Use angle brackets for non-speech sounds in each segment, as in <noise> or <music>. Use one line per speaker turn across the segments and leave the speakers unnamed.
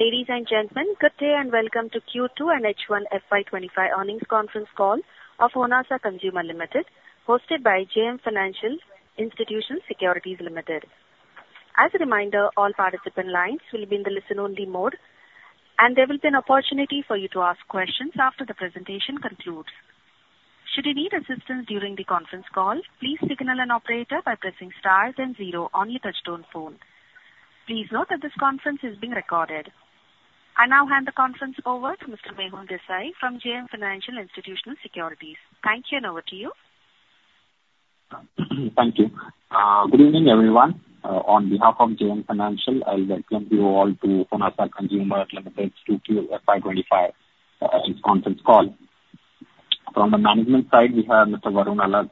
Ladies and gentlemen, good day and welcome to Q2 and H1 FY2025 earnings conference call of Honasa Consumer Limited, hosted by JM Financial Institutional Securities Limited. As a reminder, all participant lines will be in the listen-only mode, and there will be an opportunity for you to ask questions after the presentation concludes. Should you need assistance during the conference call, please signal an operator by pressing star and zero on your touch-tone phone. Please note that this conference is being recorded. I now hand the conference over to Mr. Mehul Desai from JM Financial Institutional Securities. Thank you, and over to you.
Thank you. Good evening, everyone. On behalf of JM Financial, I welcome you all to Honasa Consumer Limited's Q2 FY2025 earnings conference call. From the management side, we have Mr. Varun Alagh,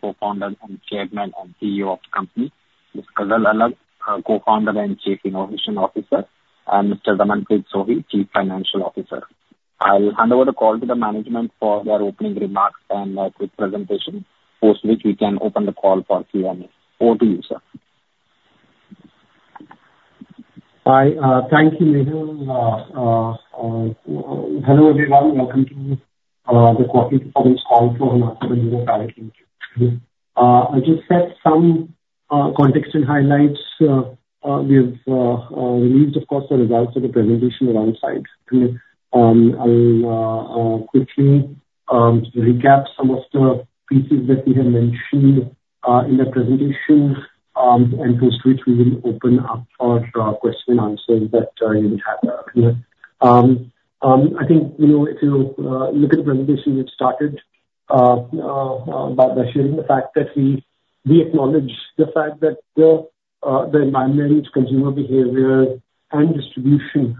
Co-founder, Chairman, and CEO of the company. Ms. Ghazal Alagh, Co-founder and Chief Innovation Officer, and Mr. Raman Sohi, Chief Financial Officer. I'll hand over the call to the management for their opening remarks and a quick presentation, post which we can open the call for Q&A. Over to you, sir.
Hi. Thank you, Mehul. Hello everyone. Welcome to the quarterly performance call for Honasa Consumer Limited. I just had some context and highlights. We have released, of course, the results of the presentation alongside. I'll quickly recap some of the pieces that we have mentioned in the presentation, and post which we will open up for question-and-answers that you would have. I think if you look at the presentation, we've started by sharing the fact that we acknowledge the fact that the environment, consumer behavior, and distribution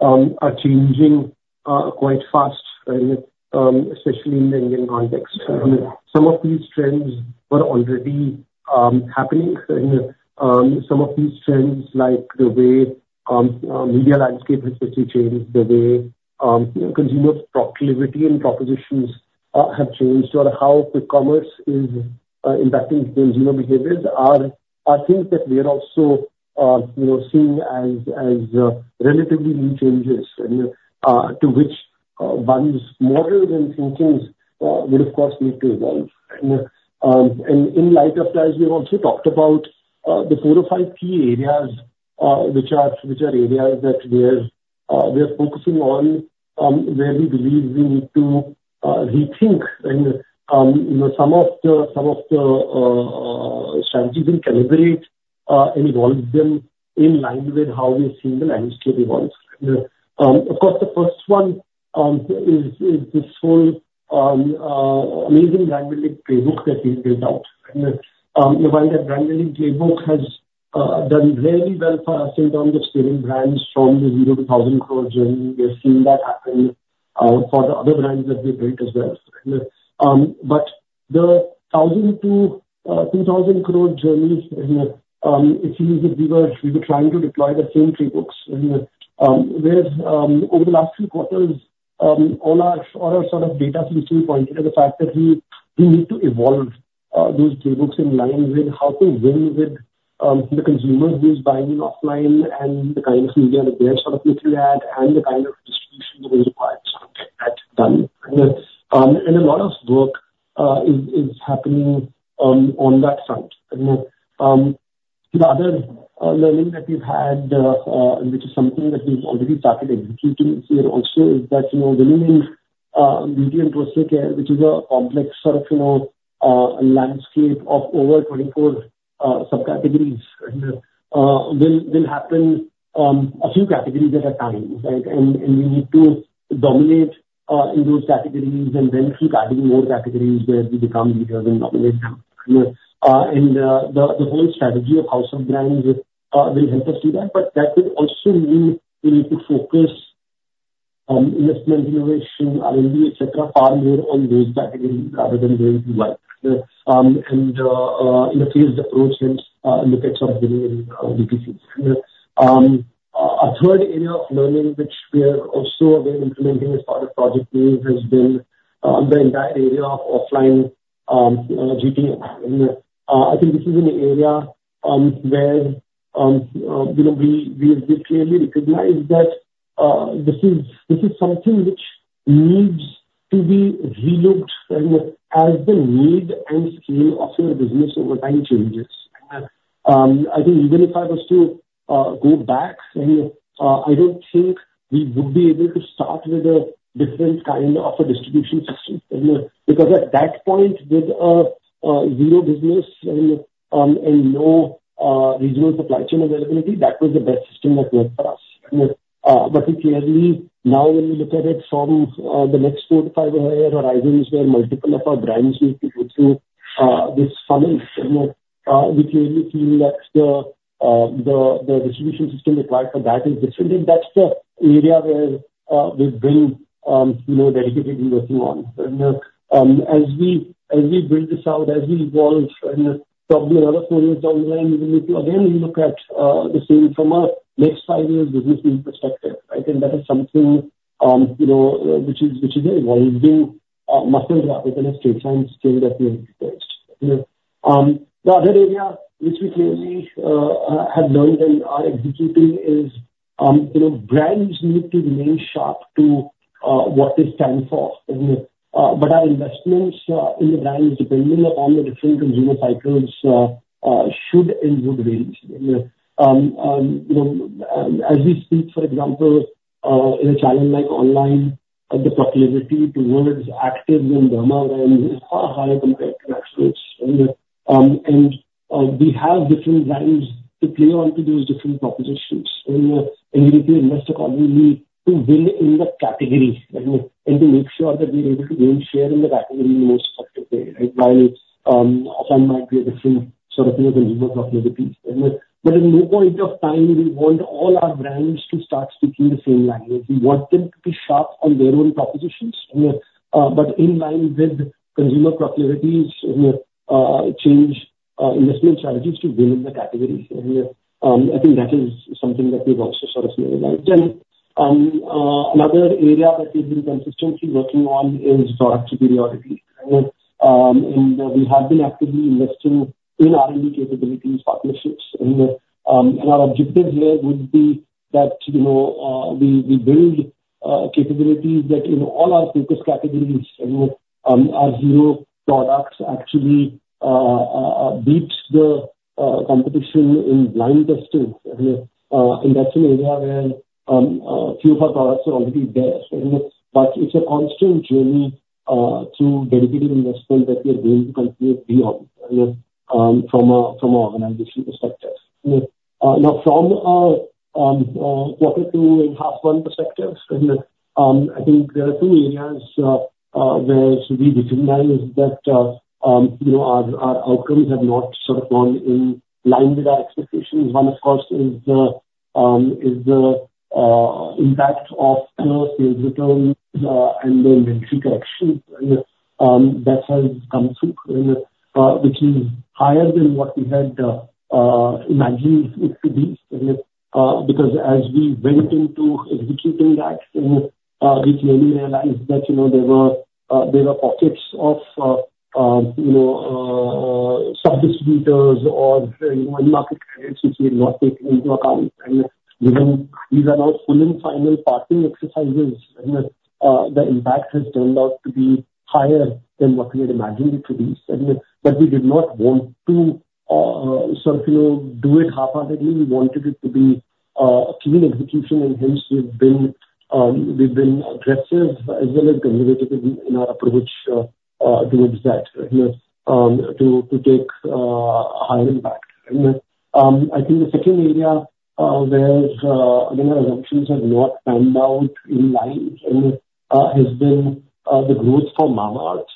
are changing quite fast, especially in the Indian context. Some of these trends were already happening. Some of these trends, like the way media landscape has changed, the way consumer proclivity and propositions have changed, or how quick commerce is impacting consumer behaviors, are things that we are also seeing as relatively new changes to which one's model and thinking would, of course, need to evolve. And in light of that, we've also talked about the four or five key areas which are areas that we are focusing on, where we believe we need to rethink some of the strategies and calibrate and evolve them in line with how we've seen the landscape evolve. Of course, the first one is this whole amazing brand-building playbook that we've built out. The brand-building playbook has done really well for us in terms of scaling brands from the 0 to 1,000 crore journey. We have seen that happen for the other brands that we've built as well. But the 1,000-2,000 crore journey, it seems that we were trying to deploy the same playbooks. Over the last few quarters, all our sort of data seems to be pointing to the fact that we need to evolve those playbooks in line with how to win with the consumer who's buying offline and the kind of media that they're sort of looking at and the kind of distribution that is required to get that done. And a lot of work is happening on that front. The other learning that we've had, which is something that we've already started executing here also, is that winning in media and personal care, which is a complex sort of landscape of over 24 subcategories, will happen a few categories at a time. We need to dominate in those categories and then keep adding more categories where we become leaders and dominate them. The whole strategy of House of Brands will help us do that. But that would also mean we need to focus investment, innovation, R&D, etc., far more on those categories rather than going too wide. In a phased approach, look at some new wins in GTs. A third area of learning which we are also implementing as part of Project Neev has been the entire area of offline GT. This is an area where we clearly recognize that this is something which needs to be relooked as the need and scale of your business over time changes. Even if I was to go back, I don't think we would be able to start with a different kind of distribution system. Because at that point, with zero business and no regional supply chain availability, that was the best system that worked for us. But we clearly, now when we look at it from the next four to five or five year horizons where multiple of our brands need to go through this funnel, we clearly feel that the distribution system required for that is different. And that's the area where we've been dedicatedly working on. As we build this out, as we evolve, probably in other forms down the line, we will need to again look at the same from a next five years' business needs perspective. And that is something which is an evolving muscle rather than a straight line skill that we have required. The other area which we clearly have learned and are executing is brands need to remain sharp to what they stand for. But our investments in the brands, depending upon the different consumer cycles, should and would vary. As we speak, for example, in a channel like online, the proclivity towards active and derma brands is far higher compared to Mamaearth. And we have different brands to play onto those different propositions. And we need to invest accordingly to win in the category and to make sure that we're able to gain share in the category in the most effective way. While offline might be a different sort of consumer proclivity. But at no point of time, we want all our brands to start speaking the same language. We want them to be sharp on their own propositions, but in line with consumer proclivities, change investment strategies to win in the categories. I think that is something that we've also sort of realized. And another area that we've been consistently working on is product superiority. And we have been actively investing in R&D capabilities, partnerships. And our objective here would be that we build capabilities that in all our focus categories, our hero products actually beat the competition in blind testing. And that's an area where a few of our products are already there. But it's a constant journey through dedicated investment that we are going to continue to be on from an organizational perspective. Now, from quarter two and half one perspective, I think there are two areas where we recognize that our outcomes have not sort of gone in line with our expectations. One, of course, is the impact of the sales return and the inventory correction. That has come through, which is higher than what we had imagined it to be. Because as we went into executing that, we clearly realized that there were pockets of sub-distributors or end market credits which we had not taken into account. And these are now full and final parking exercises. The impact has turned out to be higher than what we had imagined it to be. But we did not want to sort of do it half-heartedly. We wanted it to be a keen execution. And hence, we've been aggressive as well as deliberative in our approach towards that, to take a higher impact. I think the second area where our assumptions have not panned out in line has been the growth for Mamaearth.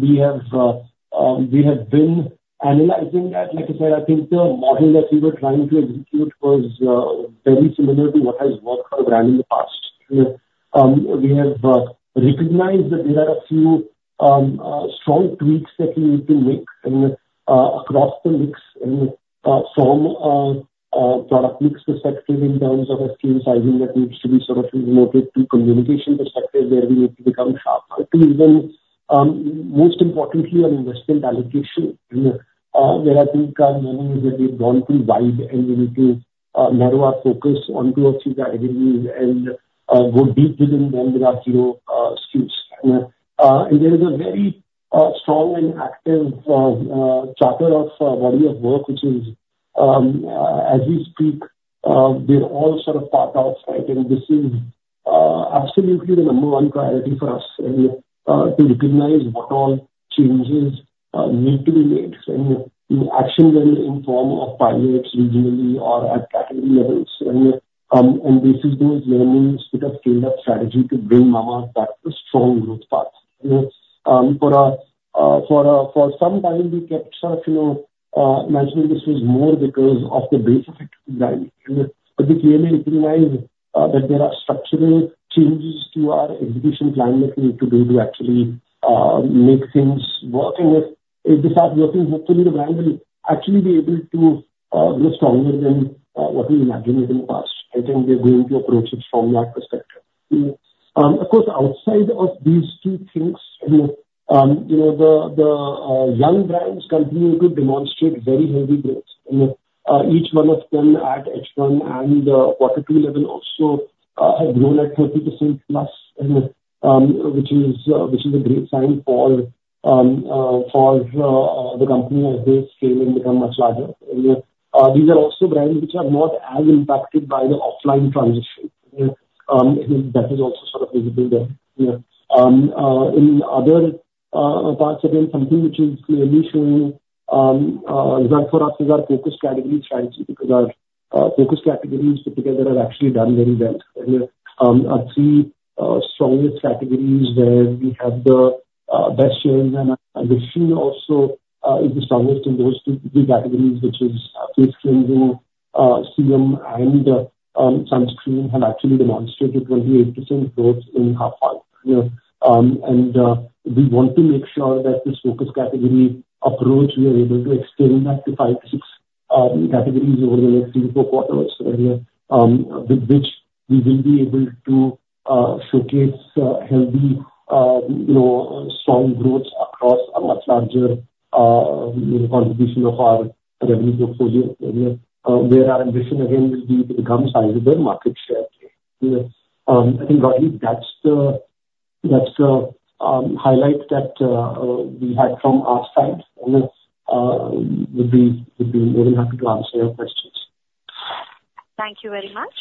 We have been analyzing that. Like I said, I think the model that we were trying to execute was very similar to what has worked for the brand in the past. We have recognized that there are a few strong tweaks that we need to make across the mix from a product mix perspective in terms of a scale sizing that needs to be sort of promoted to communication perspective, where we need to become sharp, and to even, most importantly, our investment allocation, where I think our learning is that we've gone too wide and we need to narrow our focus onto a few categories and go deep within them with our core SKUs, and there is a very strong and active charter of body of work, which is, as we speak, we're all sort of part of, and this is absolutely the number one priority for us to recognize what all changes need to be made, and action then in form of pilots regionally or at category levels. And this is those learnings that have scaled up strategy to bring Mamaearth back to a strong growth path. For some time, we kept sort of imagining this was more because of the base effect in the brand. But we clearly recognize that there are structural changes to our execution plan that we need to do to actually make things work. And if they start working, hopefully, the brand will actually be able to grow stronger than what we imagined it in the past. I think we are going to approach it from that perspective. Of course, outside of these two things, the young brands continue to demonstrate very heavy growth. Each one of them at H1 and quarter two level also have grown at 30% plus, which is a great sign for the company as they scale and become much larger. These are also brands which are not as impacted by the offline transition. That is also sort of visible there. In other parts, again, something which is clearly showing example for us is our focus category strategy. Because our focus categories put together have actually done very well. Our three strongest categories where we have the best shares and addition also is the strongest in those two categories, which is face cleansing, serum, and sunscreen have actually demonstrated 28% growth in half one, and we want to make sure that this focus category approach, we are able to extend that to five to six categories over the next three to four quarters, with which we will be able to showcase healthy, strong growth across a much larger contribution of our revenue portfolio, where our ambition again will be to become sizable market share. I think broadly, that's the highlight that we had from our side. We'd be more than happy to answer your questions.
Thank you very much.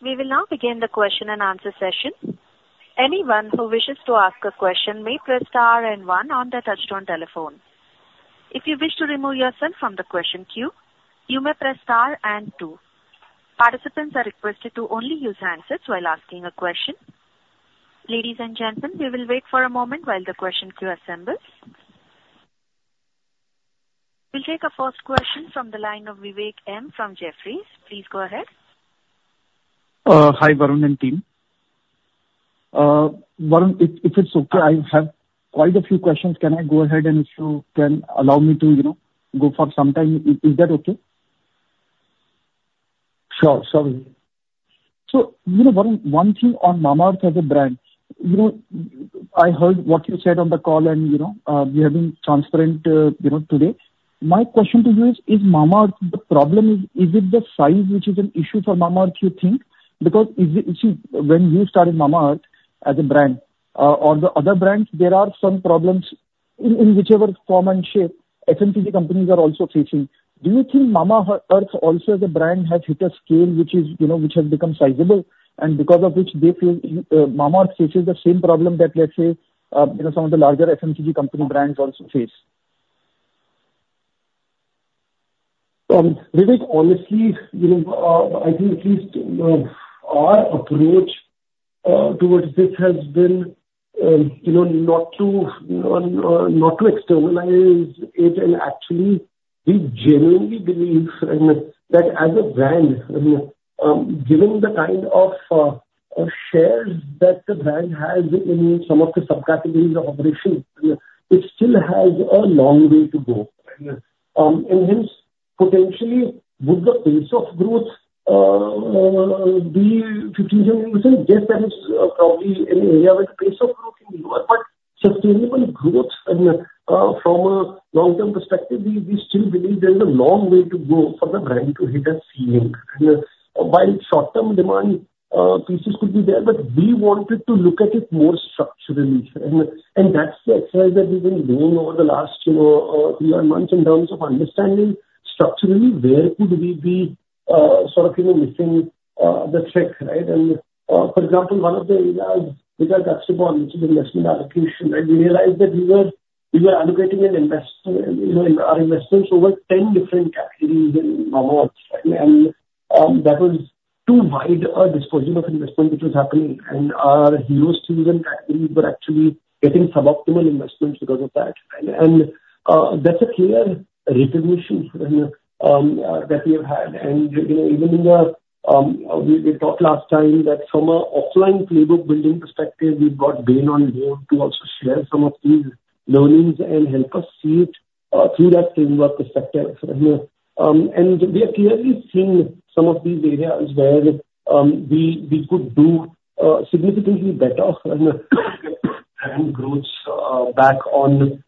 We will now begin the question and answer session. Anyone who wishes to ask a question may press star and one on the touch-tone telephone. If you wish to remove yourself from the question queue, you may press star and two. Participants are requested to only use handsets while asking a question. Ladies and gentlemen, we will wait for a moment while the question queue assembles. We'll take a first question from the line of Vivek M from Jefferies. Please go ahead.
Hi, Varun and team. Varun, if it's okay, I have quite a few questions. Can I go ahead and if you can allow me to go for some time? Is that okay?
Sure. Sorry.
So Varun, one thing on Mamaearth as a brand, I heard what you said on the call and we have been transparent today. My question to you is, is Mamaearth the problem? Is it the size which is an issue for Mamaearth, you think? Because when you started Mamaearth as a brand or the other brands, there are some problems in whichever form and shape FMCG companies are also facing. Do you think Mamaearth also as a brand has hit a scale which has become sizable and because of which Mamaearth faces the same problem that, let's say, some of the larger FMCG company brands also face?
Vivek, honestly, I think at least our approach towards this has been not to externalize it. Actually, we genuinely believe that as a brand, given the kind of shares that the brand has in some of the subcategories of operation, it still has a long way to go. Hence, potentially, would the pace of growth be 15%-20%? Yes, that is probably an area where the pace of growth can be lower. Sustainable growth from a long-term perspective, we still believe there is a long way to go for the brand to hit a ceiling. While short-term demand pieces could be there, we wanted to look at it more structurally. That's the exercise that we've been doing over the last three or four months in terms of understanding structurally where could we be sort of missing the trick. And for example, one of the areas which I touched upon, which is investment allocation, we realized that we were allocating our investments over 10 different categories in Mamaearth. And that was too wide a dispersion of investment which was happening. And our core SKUs and categories were actually getting suboptimal investments because of that. And that's a clear recognition that we have had. And even as we talked last time that from an offline playbook building perspective, we've got Bain on board to also share some of these learnings and help us see it through that framework perspective. And we have clearly seen some of these areas where we could do significantly better and get growth back on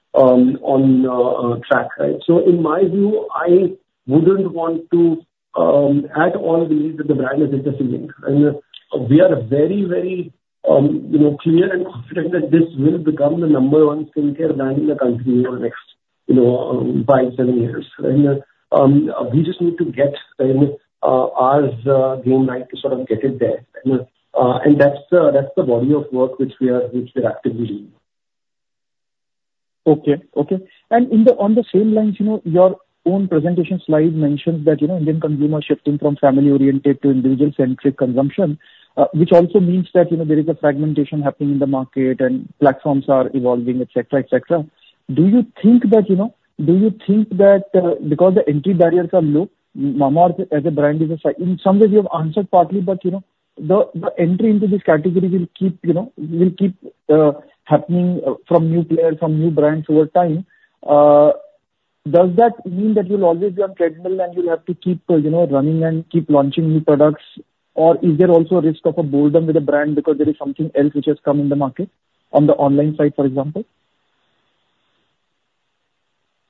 track. So in my view, I wouldn't want to add all of these that the brand is interested in. And we are very, very clear and confident that this will become the number one skincare brand in the country over the next five, seven years. And we just need to get our game right to sort of get it there. And that's the body of work which we are actively doing.
Okay. Okay. And on the same lines, your own presentation slide mentions that Indian consumers are shifting from family-oriented to individual-centric consumption, which also means that there is a fragmentation happening in the market and platforms are evolving, etc., etc. Do you think that because the entry barriers are low, Mamaearth as a brand is, in some ways, you have answered partly, but the entry into this category will keep happening from new players, from new brands over time? Does that mean that you'll always be on treadmill and you'll have to keep running and keep launching new products? Or is there also a risk of being bored with a brand because there is something else which has come in the market on the online side, for example?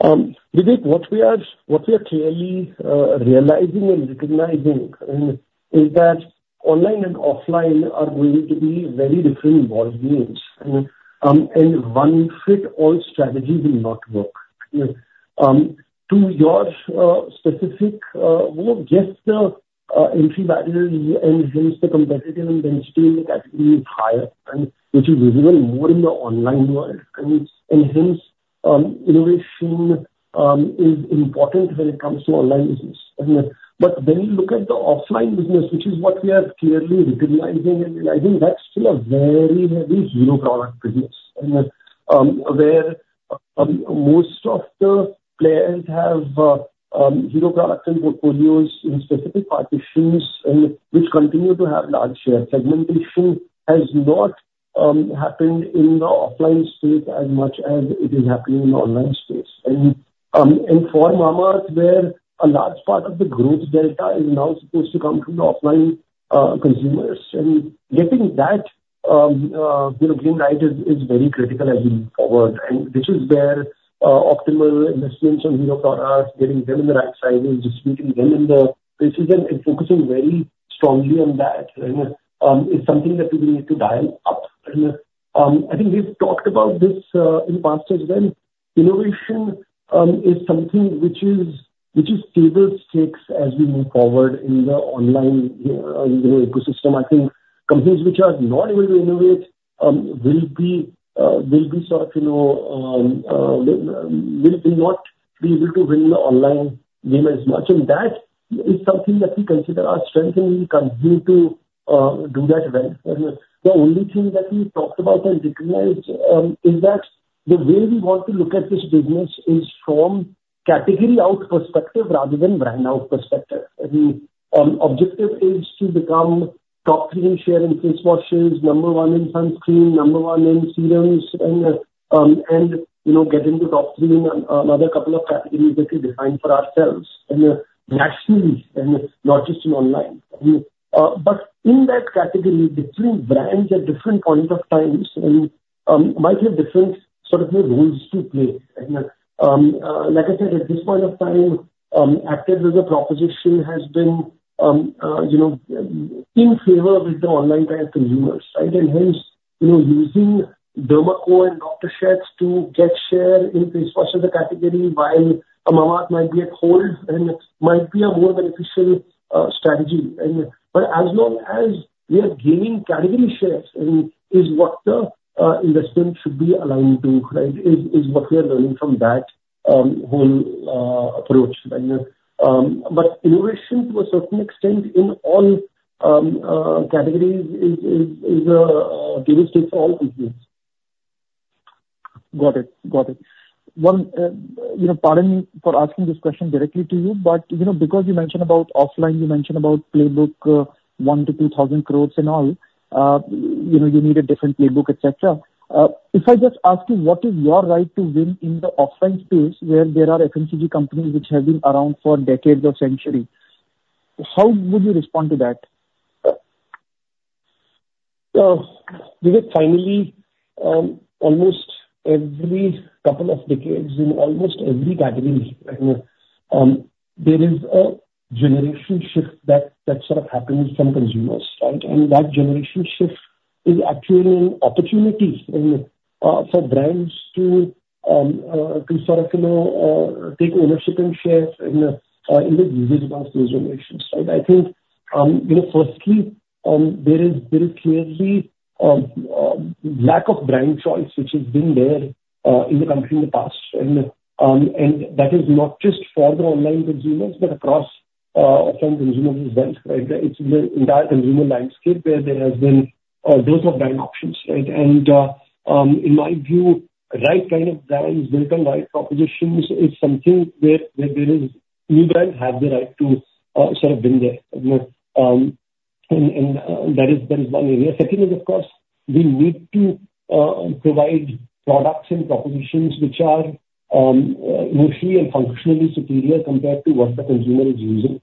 Vivek, what we are clearly realizing and recognizing is that online and offline are going to be very different ball games. And one-size-fits-all strategy will not work. To your specific, yes, the entry barriers and hence the competitive intensity in the category is higher, which is visible more in the online world. And hence, innovation is important when it comes to online business. But when you look at the offline business, which is what we are clearly recognizing and realizing, that's still a very heavy hero product business, where most of the players have hero products and portfolios in specific categories which continue to have large shares. Segmentation has not happened in the offline space as much as it is happening in the online space. For Mamaearth, where a large part of the growth delta is now supposed to come from the offline consumers, getting that game right is very critical as we move forward. This is where optimal investments on hero products, getting them in the right sizes, distributing them in the places, and focusing very strongly on that is something that we need to dial up. I think we've talked about this in the past as well. Innovation is something which is table stakes as we move forward in the online ecosystem. I think companies which are not able to innovate will be sort of not be able to win the online game as much. That is something that we consider our strength, and we continue to do that well. The only thing that we talked about and recognized is that the way we want to look at this business is from category-out perspective rather than brand-out perspective. The objective is to become top three in share in face washes, number one in sunscreen, number one in serums, and get into top three in another couple of categories that we defined for ourselves, nationally, and not just in online. In that category, different brands at different points of time might have different sort of roles to play. Like I said, at this point of time, Active as a Proposition has been in favor of the online-type consumers. Hence, using The Derma Co and Dr. Sheth's to get share in face wash as a category, while Mamaearth might be at hold, and might be a more beneficial strategy. But as long as we are gaining category shares, and is what the investment should be aligned to, is what we are learning from that whole approach. Innovation, to a certain extent, in all categories is a table stake for all companies.
Got it. Got it. Pardon me for asking this question directly to you, but because you mentioned about offline, you mentioned about playbook 1- 2,000 crores and all, you need a different playbook, etc. If I just ask you, what is your right to win in the offline space where there are FMCG companies which have been around for decades or centuries, how would you respond to that?
Vivek, finally, almost every couple of decades, in almost every category, there is a generation shift that sort of happens from consumers. And that generation shift is actually an opportunity for brands to sort of take ownership and share in the usage of those generations. I think, firstly, there is clearly a lack of brand choice which has been there in the country in the past. And that is not just for the online consumers, but across offline consumers as well. It's the entire consumer landscape where there has been a growth of brand options. And in my view, right kind of brands, built on right propositions, is something where there is. New brands have the right to sort of win there. And that is one area. Second is, of course, we need to provide products and propositions which are emotionally and functionally superior compared to what the consumer is using.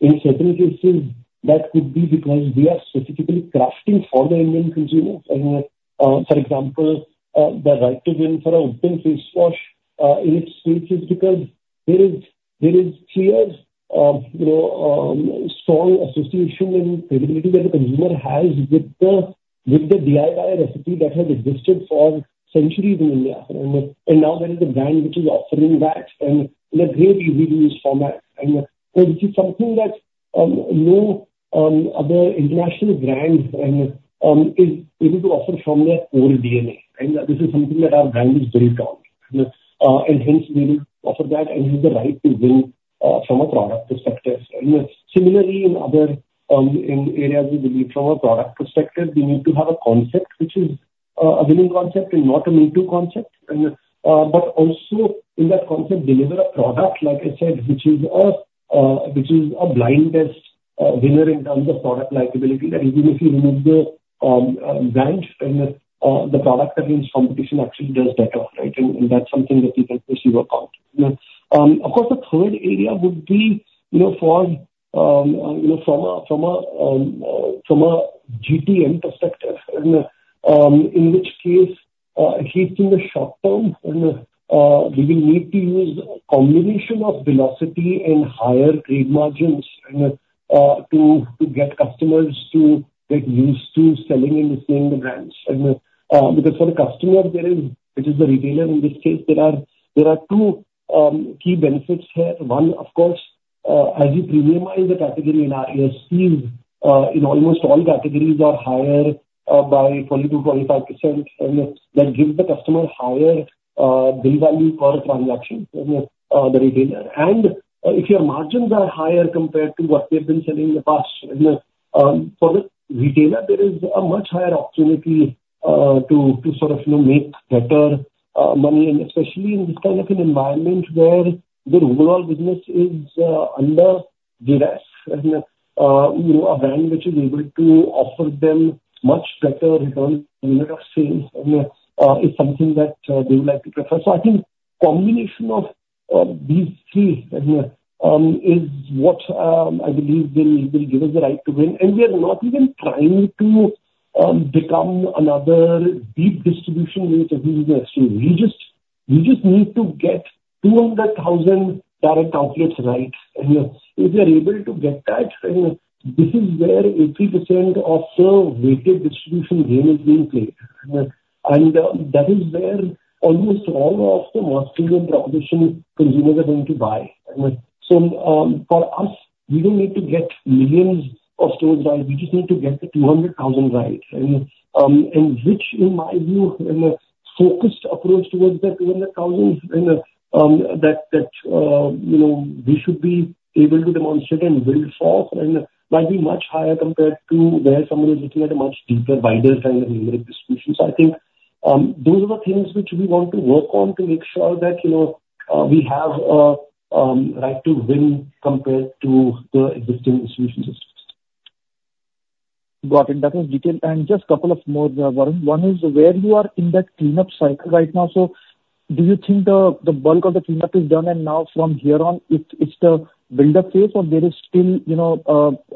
In certain cases, that could be because we are specifically crafting for the Indian consumers. For example, the right to win for an Ubtan Face Wash in its space is because there is clear, strong association and credibility that the consumer has with the DIY recipe that has existed for centuries in India. And now there is a brand which is offering that in a great easy-to-use format. And this is something that no other international brand is able to offer from their core DNA. And this is something that our brand is built on. Hence, we need to offer that and have the right to win from a product perspective. Similarly, in other areas, we believe from a product perspective, we need to have a concept which is a winning concept and not a me-too concept. But also in that concept, deliver a product, like I said, which is a blind test winner in terms of product likability. That even if you remove the brand, the product against competition actually does better. And that's something that people pursue upon. Of course, the third area would be from a GTM perspective, in which case, at least in the short term, we will need to use a combination of velocity and higher trade margins to get customers to get used to selling and listening to brands. Because for the customer, which is the retailer in this case, there are two key benefits here. One, of course, as you premiumize the category in RESPs, almost all categories are higher by 20%-25%. And that gives the customer higher bill value per transaction, the retailer. And if your margins are higher compared to what they've been selling in the past, for the retailer, there is a much higher opportunity to sort of make better money. And especially in this kind of an environment where their overall business is under duress, a brand which is able to offer them much better return on unit of sales is something that they would like to prefer. So I think combination of these three is what I believe will give us the right to win. And we are not even trying to become another deep distribution niche as an investor. We just need to get 200,000 direct outlets right. If we are able to get that, this is where 80% of the weighted distribution game is being played. And that is where almost all of the Marsco and proposition consumers are going to buy. So for us, we don't need to get millions of stores right. We just need to get the 200,000 right. And which, in my view, focused approach towards that 200,000, that we should be able to demonstrate and build for, might be much higher compared to where someone is looking at a much deeper, wider kind of numeric distribution. So I think those are the things which we want to work on to make sure that we have a right to win compared to the existing distribution systems.
Got it. That was detailed. And just a couple of more, Varun. One is where you are in that cleanup cycle right now. So do you think the bulk of the cleanup is done and now from here on, it's the build-up phase, or there is still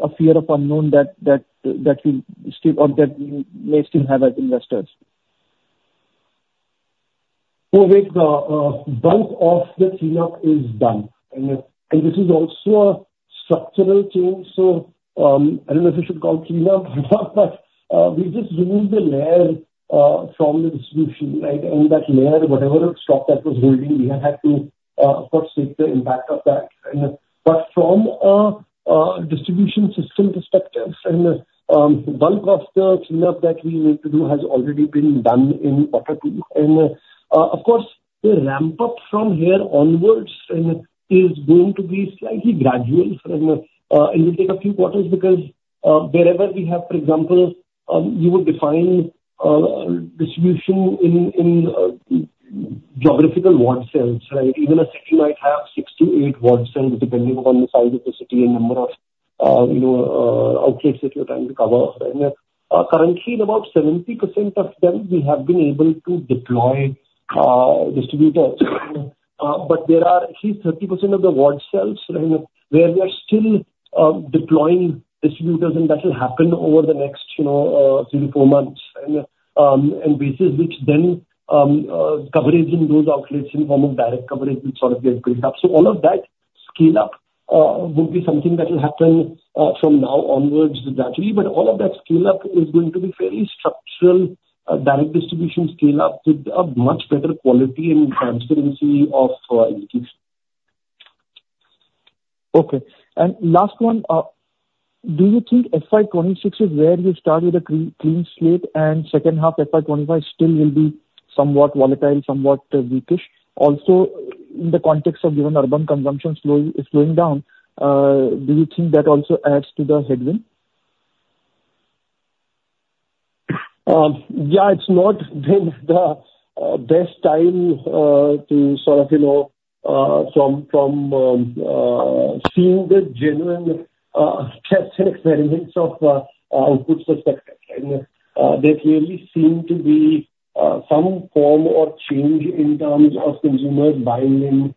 a fear of unknown that you still or that you may still have as investors?
Vivek, the bulk of the cleanup is done. This is also a structural change. I don't know if we should call it cleanup, but we just removed the layer from the distribution. That layer, whatever stock that was holding, we have had to, of course, take the impact of that. From a distribution system perspective, the bulk of the cleanup that we need to do has already been done in quarter two. Of course, the ramp-up from here onwards is going to be slightly gradual. It will take a few quarters because wherever we have, for example, you would define distribution in geographical ward cells. Even a city might have six to eight ward cells depending upon the size of the city and number of outlets that you're trying to cover. Currently, in about 70% of them, we have been able to deploy distributors, but there are at least 30% of the ward cells where we are still deploying distributors, and that will happen over the next three-to-four months, and based on that the coverage in those outlets in the form of direct coverage will sort of get built up, so all of that scale-up will be something that will happen from now onwards gradually, but all of that scale-up is going to be fairly structural direct distribution scale-up with a much better quality and transparency of execution.
Okay. And last one, do you think FY 2026 is where you start with a clean slate and second half FY 2025 still will be somewhat volatile, somewhat weakish? Also, in the context of urban consumption slowing down, do you think that also adds to the headwind?
Yeah, it's not been the best time to sort of from seeing the genuine tests and experiments of outputs perspective. There clearly seem to be some form or change in terms of consumers buying in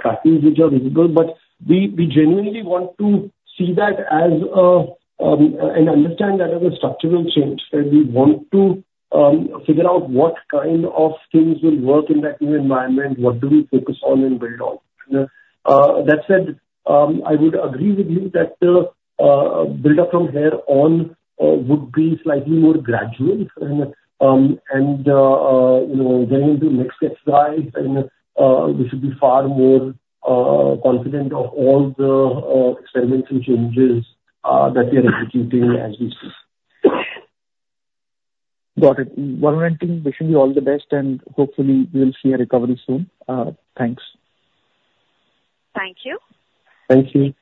trackings which are visible. But we genuinely want to see that as an understanding that of a structural change. We want to figure out what kind of things will work in that new environment, what do we focus on and build on. That said, I would agree with you that the build-up from here on would be slightly more gradual, and getting into the next exercise, we should be far more confident of all the experiments and changes that we are executing as we speak.
Got it. Varun and team, wishing you all the best, and hopefully, we'll see a recovery soon. Thanks.
Thank you.
Thank you.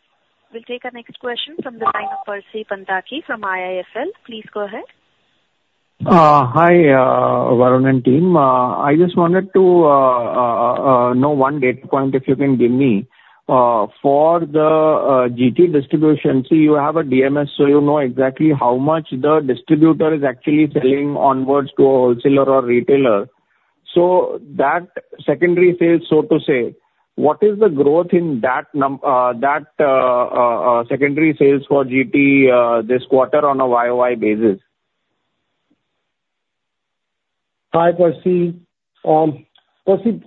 We'll take our next question from the line of Percy Panthaki from IIFL. Please go ahead.
Hi, Varun and team. I just wanted to know one data point if you can give me. For the GT distribution, see, you have a DMS, so you know exactly how much the distributor is actually selling onwards to a wholesaler or retailer. So that secondary sales, so to say, what is the growth in that secondary sales for GT this quarter on a YOY basis?
Hi, Percy. Honestly,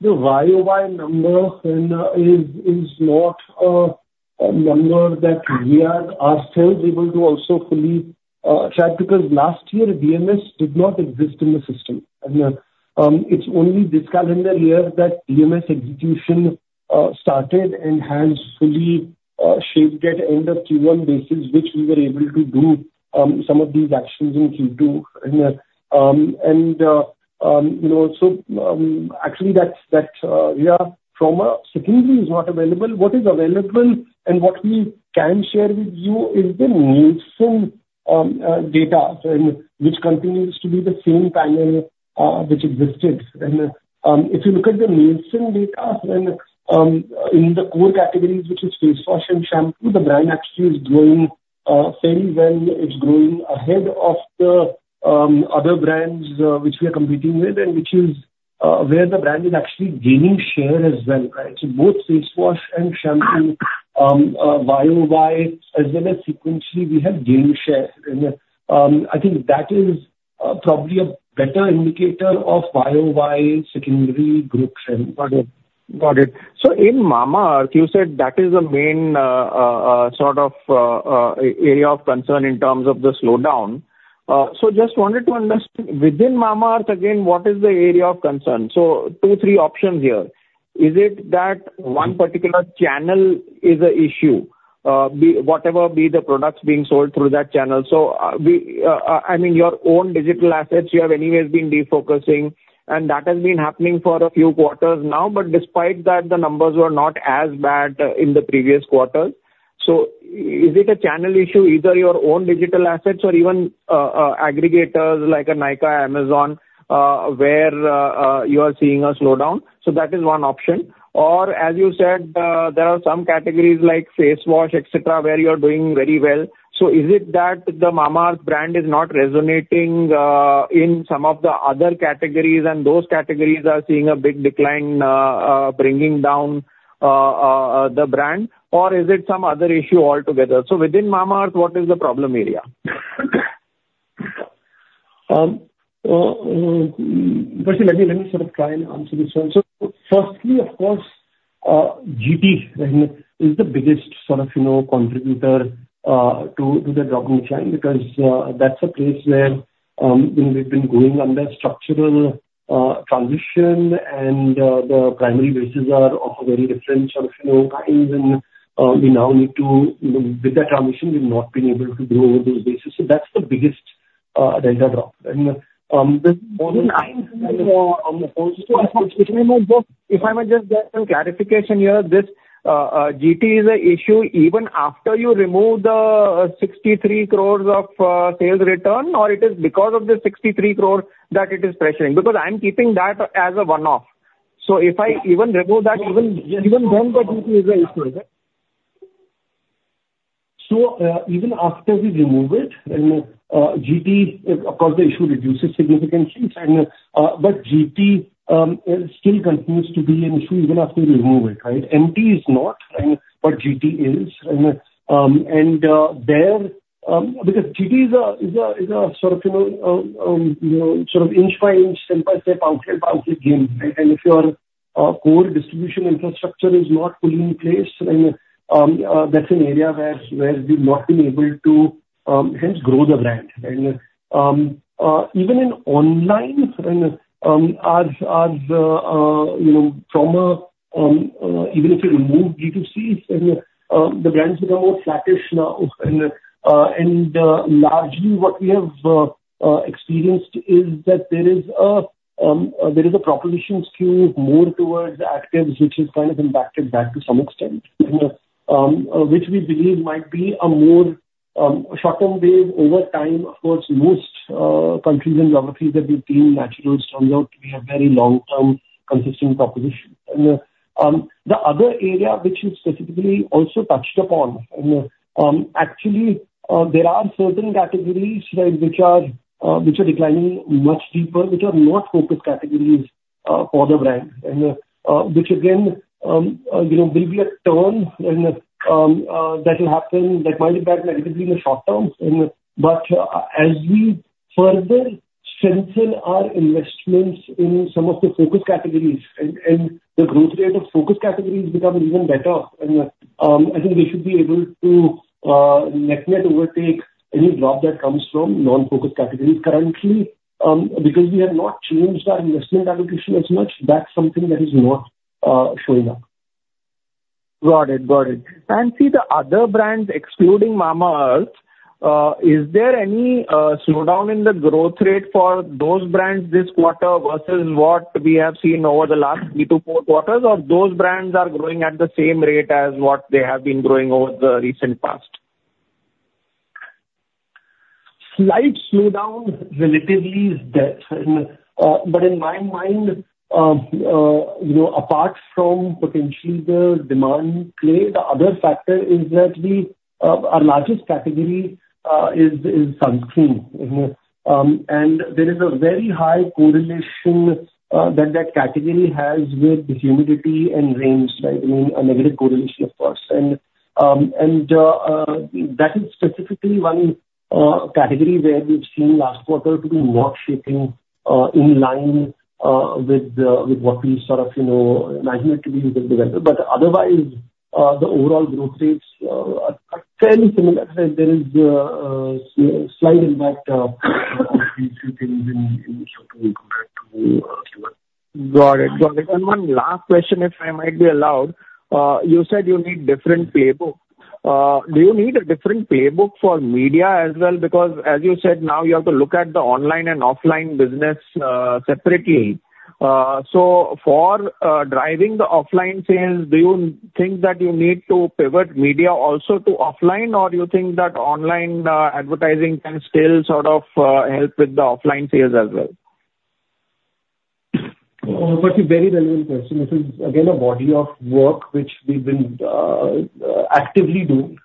the YOY number is not a number that we are ourselves able to also fully track because last year, DMS did not exist in the system, and it's only this calendar year that DMS execution started and has fully shaped it end of Q1 basis, which we were able to do some of these actions in Q2, and so actually, that area from a secondary is not available. What is available and what we can share with you is the Nielsen data, which continues to be the same panel which existed, and if you look at the Nielsen data in the core categories, which is face wash and shampoo, the brand actually is growing fairly well. It's growing ahead of the other brands which we are competing with, and which is where the brand is actually gaining share as well. Both face wash and shampoo, YOY, as well as sequentially, we have gained share. I think that is probably a better indicator of YOY secondary groups.
Got it. Got it. So in Mamaearth, you said that is the main sort of area of concern in terms of the slowdown. So just wanted to understand, within Mamaearth, again, what is the area of concern? So two, three options here. Is it that one particular channel is an issue, whatever be the products being sold through that channel? So I mean, your own digital assets, you have anyways been defocusing, and that has been happening for a few quarters now. But despite that, the numbers were not as bad in the previous quarters. So is it a channel issue, either your own digital assets or even aggregators like Nykaa or Amazon, where you are seeing a slowdown? So that is one option. Or as you said, there are some categories like face wash, etc., where you are doing very well. So is it that the Mamaearth brand is not resonating in some of the other categories and those categories are seeing a big decline, bringing down the brand? Or is it some other issue altogether? So within Mamaearth, what is the problem area?
Let me sort of try and answer this one. So firstly, of course, GT is the biggest sort of contributor to the drop in the chain because that's a place where we've been going under structural transition, and the primary bases are of a very different sort of kind. And we now need to, with that transition, we've not been able to grow those bases. So that's the biggest delta drop.
If I may just get some clarification here. This GT is an issue even after you remove the 63 crores of sales return, or it is because of the 63 crores that it is pressuring? Because I'm keeping that as a one-off. So if I even remove that, even then the GT is an issue, is it?
So even after we remove it, GT, of course, the issue reduces significantly. But GT still continues to be an issue even after we remove it. MT is not, but GT is. And because GT is a sort of inch by inch, step by step, outlet by outlet game. And if your core distribution infrastructure is not fully in place, then that's an area where we've not been able to hence grow the brand. And even in online, even if you remove D2C, the brands become more flattish now. And largely, what we have experienced is that there is a proposition skew more towards actives, which has kind of impacted that to some extent, which we believe might be a more short-term wave over time. Of course, most countries and geographies that we've seen, natural turns out to be a very long-term consistent proposition. The other area, which you specifically also touched upon, actually, there are certain categories which are declining much deeper, which are not focus categories for the brand, which again will be a turn that will happen that might impact negatively in the short term. As we further strengthen our investments in some of the focus categories, and the growth rate of focus categories becomes even better, I think we should be able to net overtake any drop that comes from non-focus categories currently. Because we have not changed our investment allocation as much, that's something that is not showing up.
Got it. Got it. And see, the other brands excluding Mamaearth, is there any slowdown in the growth rate for those brands this quarter versus what we have seen over the last three to four quarters, or those brands are growing at the same rate as what they have been growing over the recent past?
Slight slowdown relatively is there. But in my mind, apart from potentially the demand play, the other factor is that our largest category is sunscreen. And there is a very high correlation that that category has with humidity and rain, a negative correlation, of course. And that is specifically one category where we've seen last quarter to be more shaping in line with what we sort of imagine it to be with the weather. But otherwise, the overall growth rates are fairly similar. There is a slight impact of these two things in the short term compared to Q1.
Got it. Got it. And one last question, if I might be allowed. You said you need different playbook. Do you need a different playbook for media as well? Because, as you said, now you have to look at the online and offline business separately. So for driving the offline sales, do you think that you need to pivot media also to offline, or do you think that online advertising can still sort of help with the offline sales as well?
That's a very relevant question. This is, again, a body of work which we've been actively doing.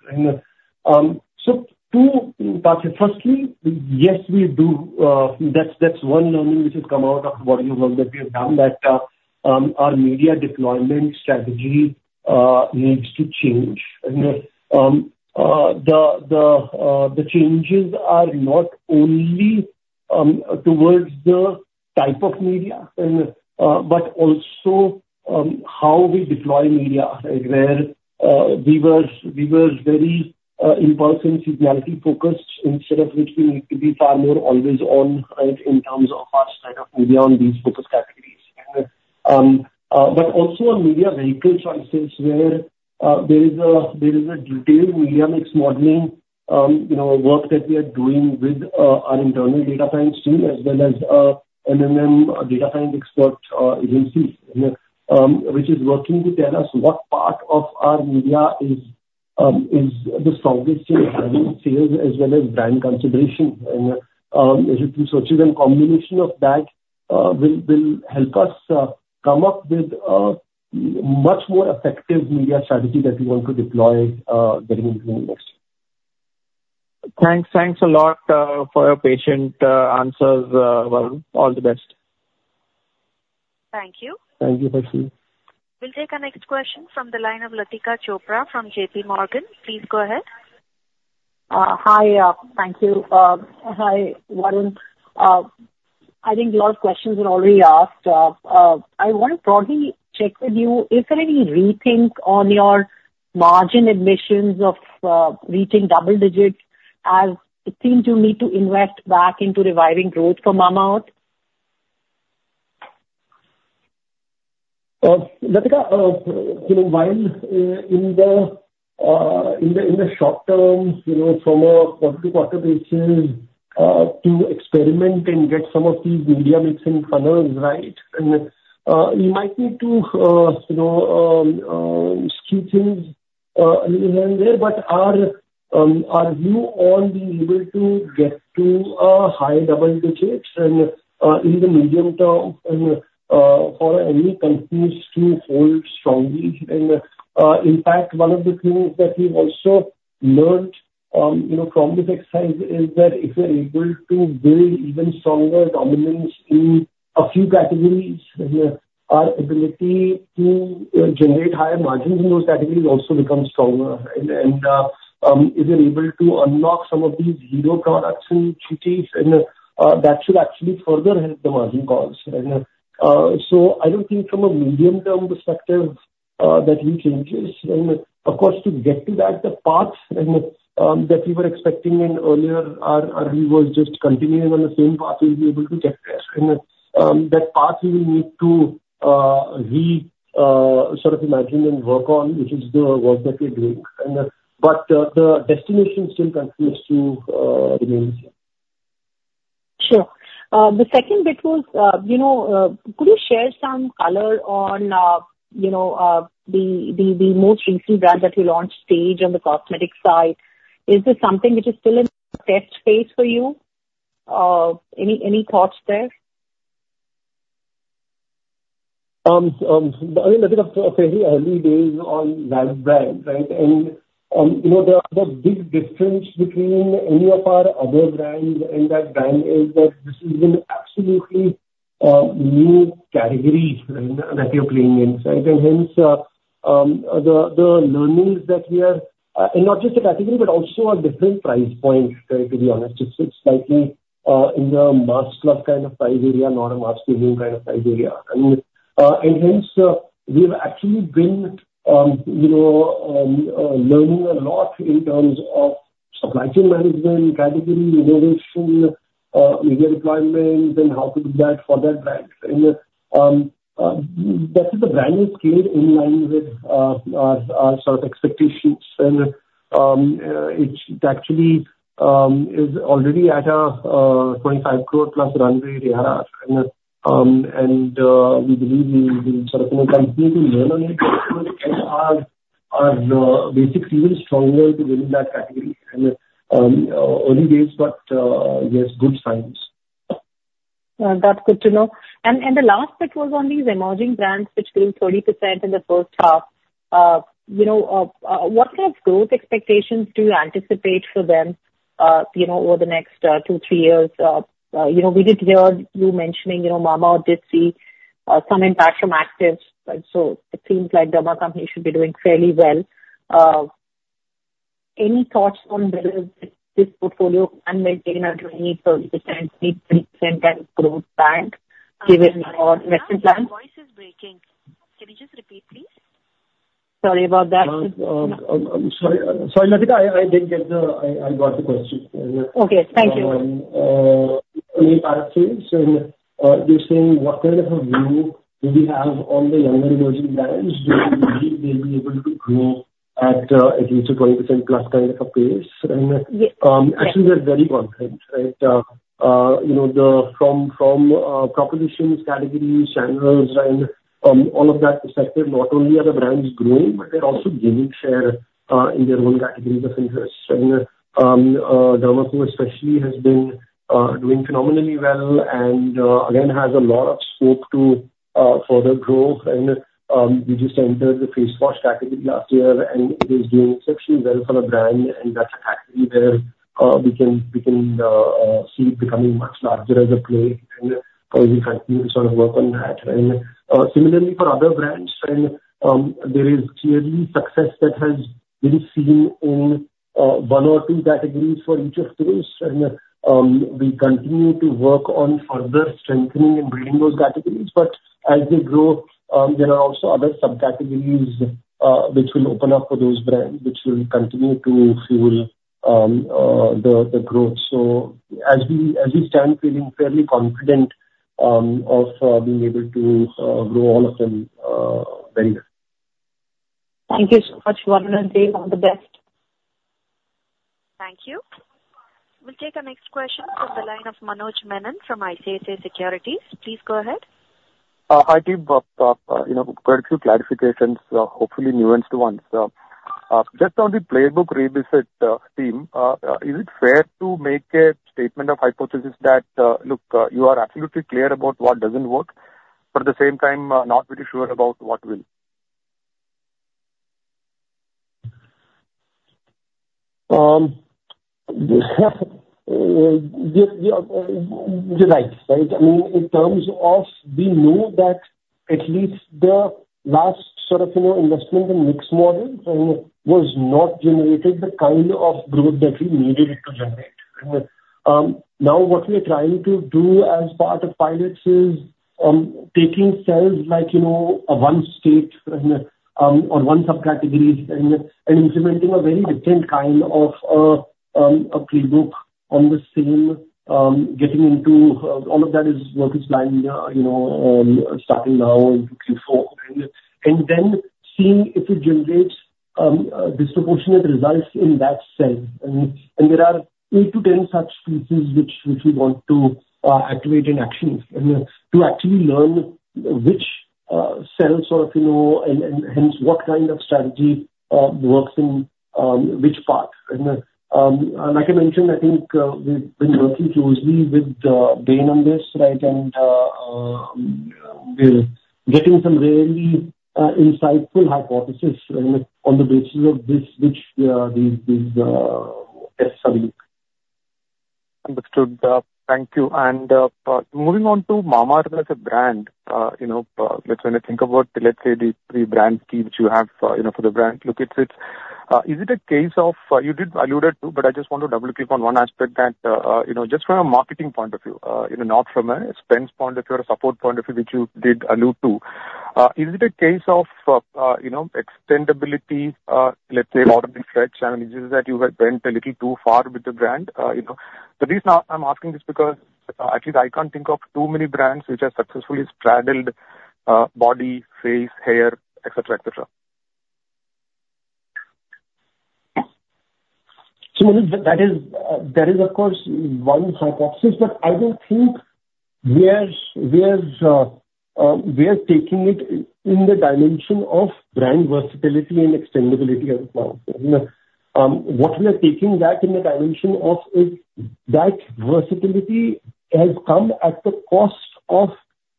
So two parts. Firstly, yes, we do. That's one learning which has come out of the body of work that we have done that our media deployment strategy needs to change. The changes are not only towards the type of media, but also how we deploy media, where we were very in-person, seasonality-focused, instead of which we need to be far more always on in terms of our set of media on these focus categories. But also on media vehicle choices, where there is a detailed media mix modeling work that we are doing with our internal data science team, as well as data science expert agencies, which is working to tell us what part of our media is the strongest in sales as well as brand consideration. Through searches and combination of that, will help us come up with a much more effective media strategy that we want to deploy getting into the next year.
Thanks. Thanks a lot for your patient answers. Varun, all the best.
Thank you.
Thank you, Percy.
We'll take our next question from the line of Latika Chopra from JPMorgan. Please go ahead.
Hi. Thank you. Hi, Varun. I think a lot of questions were already asked. I want to probably check with you, is there any rethink on your margin ambitions of reaching double digits as it seems you need to invest back into reviving growth for Mamaearth?
Latika, while in the short term, from a quarter-to-quarter basis, to experiment and get some of these media mixing funnels right, we might need to skew things a little here and there. But our view on being able to get to high double digits in the medium term for any companies to hold strongly and impact, one of the things that we've also learned from this exercise is that if we're able to build even stronger dominance in a few categories, our ability to generate higher margins in those categories also becomes stronger. And if we're able to unlock some of these hero products in GTs, that should actually further help the margins. So I don't think from a medium-term perspective that we change. And of course, to get to that, the path that we were expecting an earlier, our view was just continuing on the same path we'll be able to get there. And that path we will need to re-imagine and work on, which is the work that we're doing. But the destination still continues to remain the same.
Sure. The second bit was, could you share some color on the most recent brand that you launched, Staze, on the cosmetic side? Is this something which is still in the test phase for you? Any thoughts there?
I mean, Latika, fairly early days on that brand. The big difference between any of our other brands and that brand is that this is an absolutely new category that we are playing in. And hence, the learnings that we are and not just a category, but also a different price point, to be honest, just slightly in the mass club kind of price area, not a mass premium kind of price area. And hence, we have actually been learning a lot in terms of supply chain management, category innovation, media deployment, and how to do that for that brand. And that's the brand is scaled in line with our sort of expectations. And it actually is already at a 25 crore plus run rate area. And we believe we will sort of continue to learn on it. And our basics even stronger to win in that category. Early days, but yes, good signs.
That's good to know. And the last bit was on these emerging brands which grew 30% in the first half. What kind of growth expectations do you anticipate for them over the next two, three years? We did hear you mentioning Mamaearth did see some impact from actives. So it seems like the Mamaearth company should be doing fairly well. Any thoughts on this portfolio and maintain a 20%-30% kind of growth band given our investment plan? Latika, your voice is breaking. Can you just repeat, please? Sorry about that.
Sorry, Latika, I didn't get the question.
Okay. Thank you.
So you're saying what kind of a view do we have on the younger emerging brands? Do you believe they'll be able to grow at least a 20% plus kind of a pace? And actually, we're very confident. From propositions, categories, channels, and all of that perspective, not only are the brands growing, but they're also gaining share in their own categories of interest. And The Derma Co especially has been doing phenomenally well and, again, has a lot of scope to further grow. And we just entered the face wash category last year, and it is doing exceptionally well for a brand. And that's a category where we can see it becoming much larger as a play. And we'll continue to sort of work on that. And similarly for other brands, there is clearly success that has been seen in one or two categories for each of those. We continue to work on further strengthening and bringing those categories. But as they grow, there are also other subcategories which will open up for those brands, which will continue to fuel the growth. So as we stand, feeling fairly confident of being able to grow all of them very well.
Thank you so much, Varun and Sri. All the best.
Thank you. We'll take our next question from the line of Manoj Menon from ICICI Securities. Please go ahead.
Hi, team. Quite a few clarifications, hopefully nuanced ones. Just on the playbook revisit team, is it fair to make a statement of hypothesis that, look, you are absolutely clear about what doesn't work, but at the same time, not very sure about what will?
You're right. I mean, in terms of we know that at least the last sort of media mix model was not generating the kind of growth that we needed it to generate. Now, what we're trying to do as part of pilots is taking cells like one state or one subcategory and implementing a very different kind of playbook on the same, getting into all of that is working plan starting now and looking forward. Then seeing if it generates disproportionate results in that cell. There are eight to 10 such pieces which we want to activate in action to actually learn which cell sort of and hence what kind of strategy works in which part. And like I mentioned, I think we've been working closely with Bain on this, and we're getting some really insightful hypotheses on the basis of which these tests are being looked at.
Understood. Thank you. And moving on to Mamaearth as a brand, let's think about, let's say, the three brand keys you have for the brand look at it. Is it a case of you did allude it to, but I just want to double-click on one aspect that just from a marketing point of view, not from a spend point of view or a support point of view, which you did allude to. Is it a case of extendability, let's say, orderly stretch? And is it that you have went a little too far with the brand? The reason I'm asking is because at least I can't think of too many brands which have successfully straddled body, face, hair, etc., etc.
So that is, of course, one hypothesis. But I don't think we are taking it in the dimension of brand versatility and extendability as well. What we are taking that in the dimension of is that versatility has come at the cost of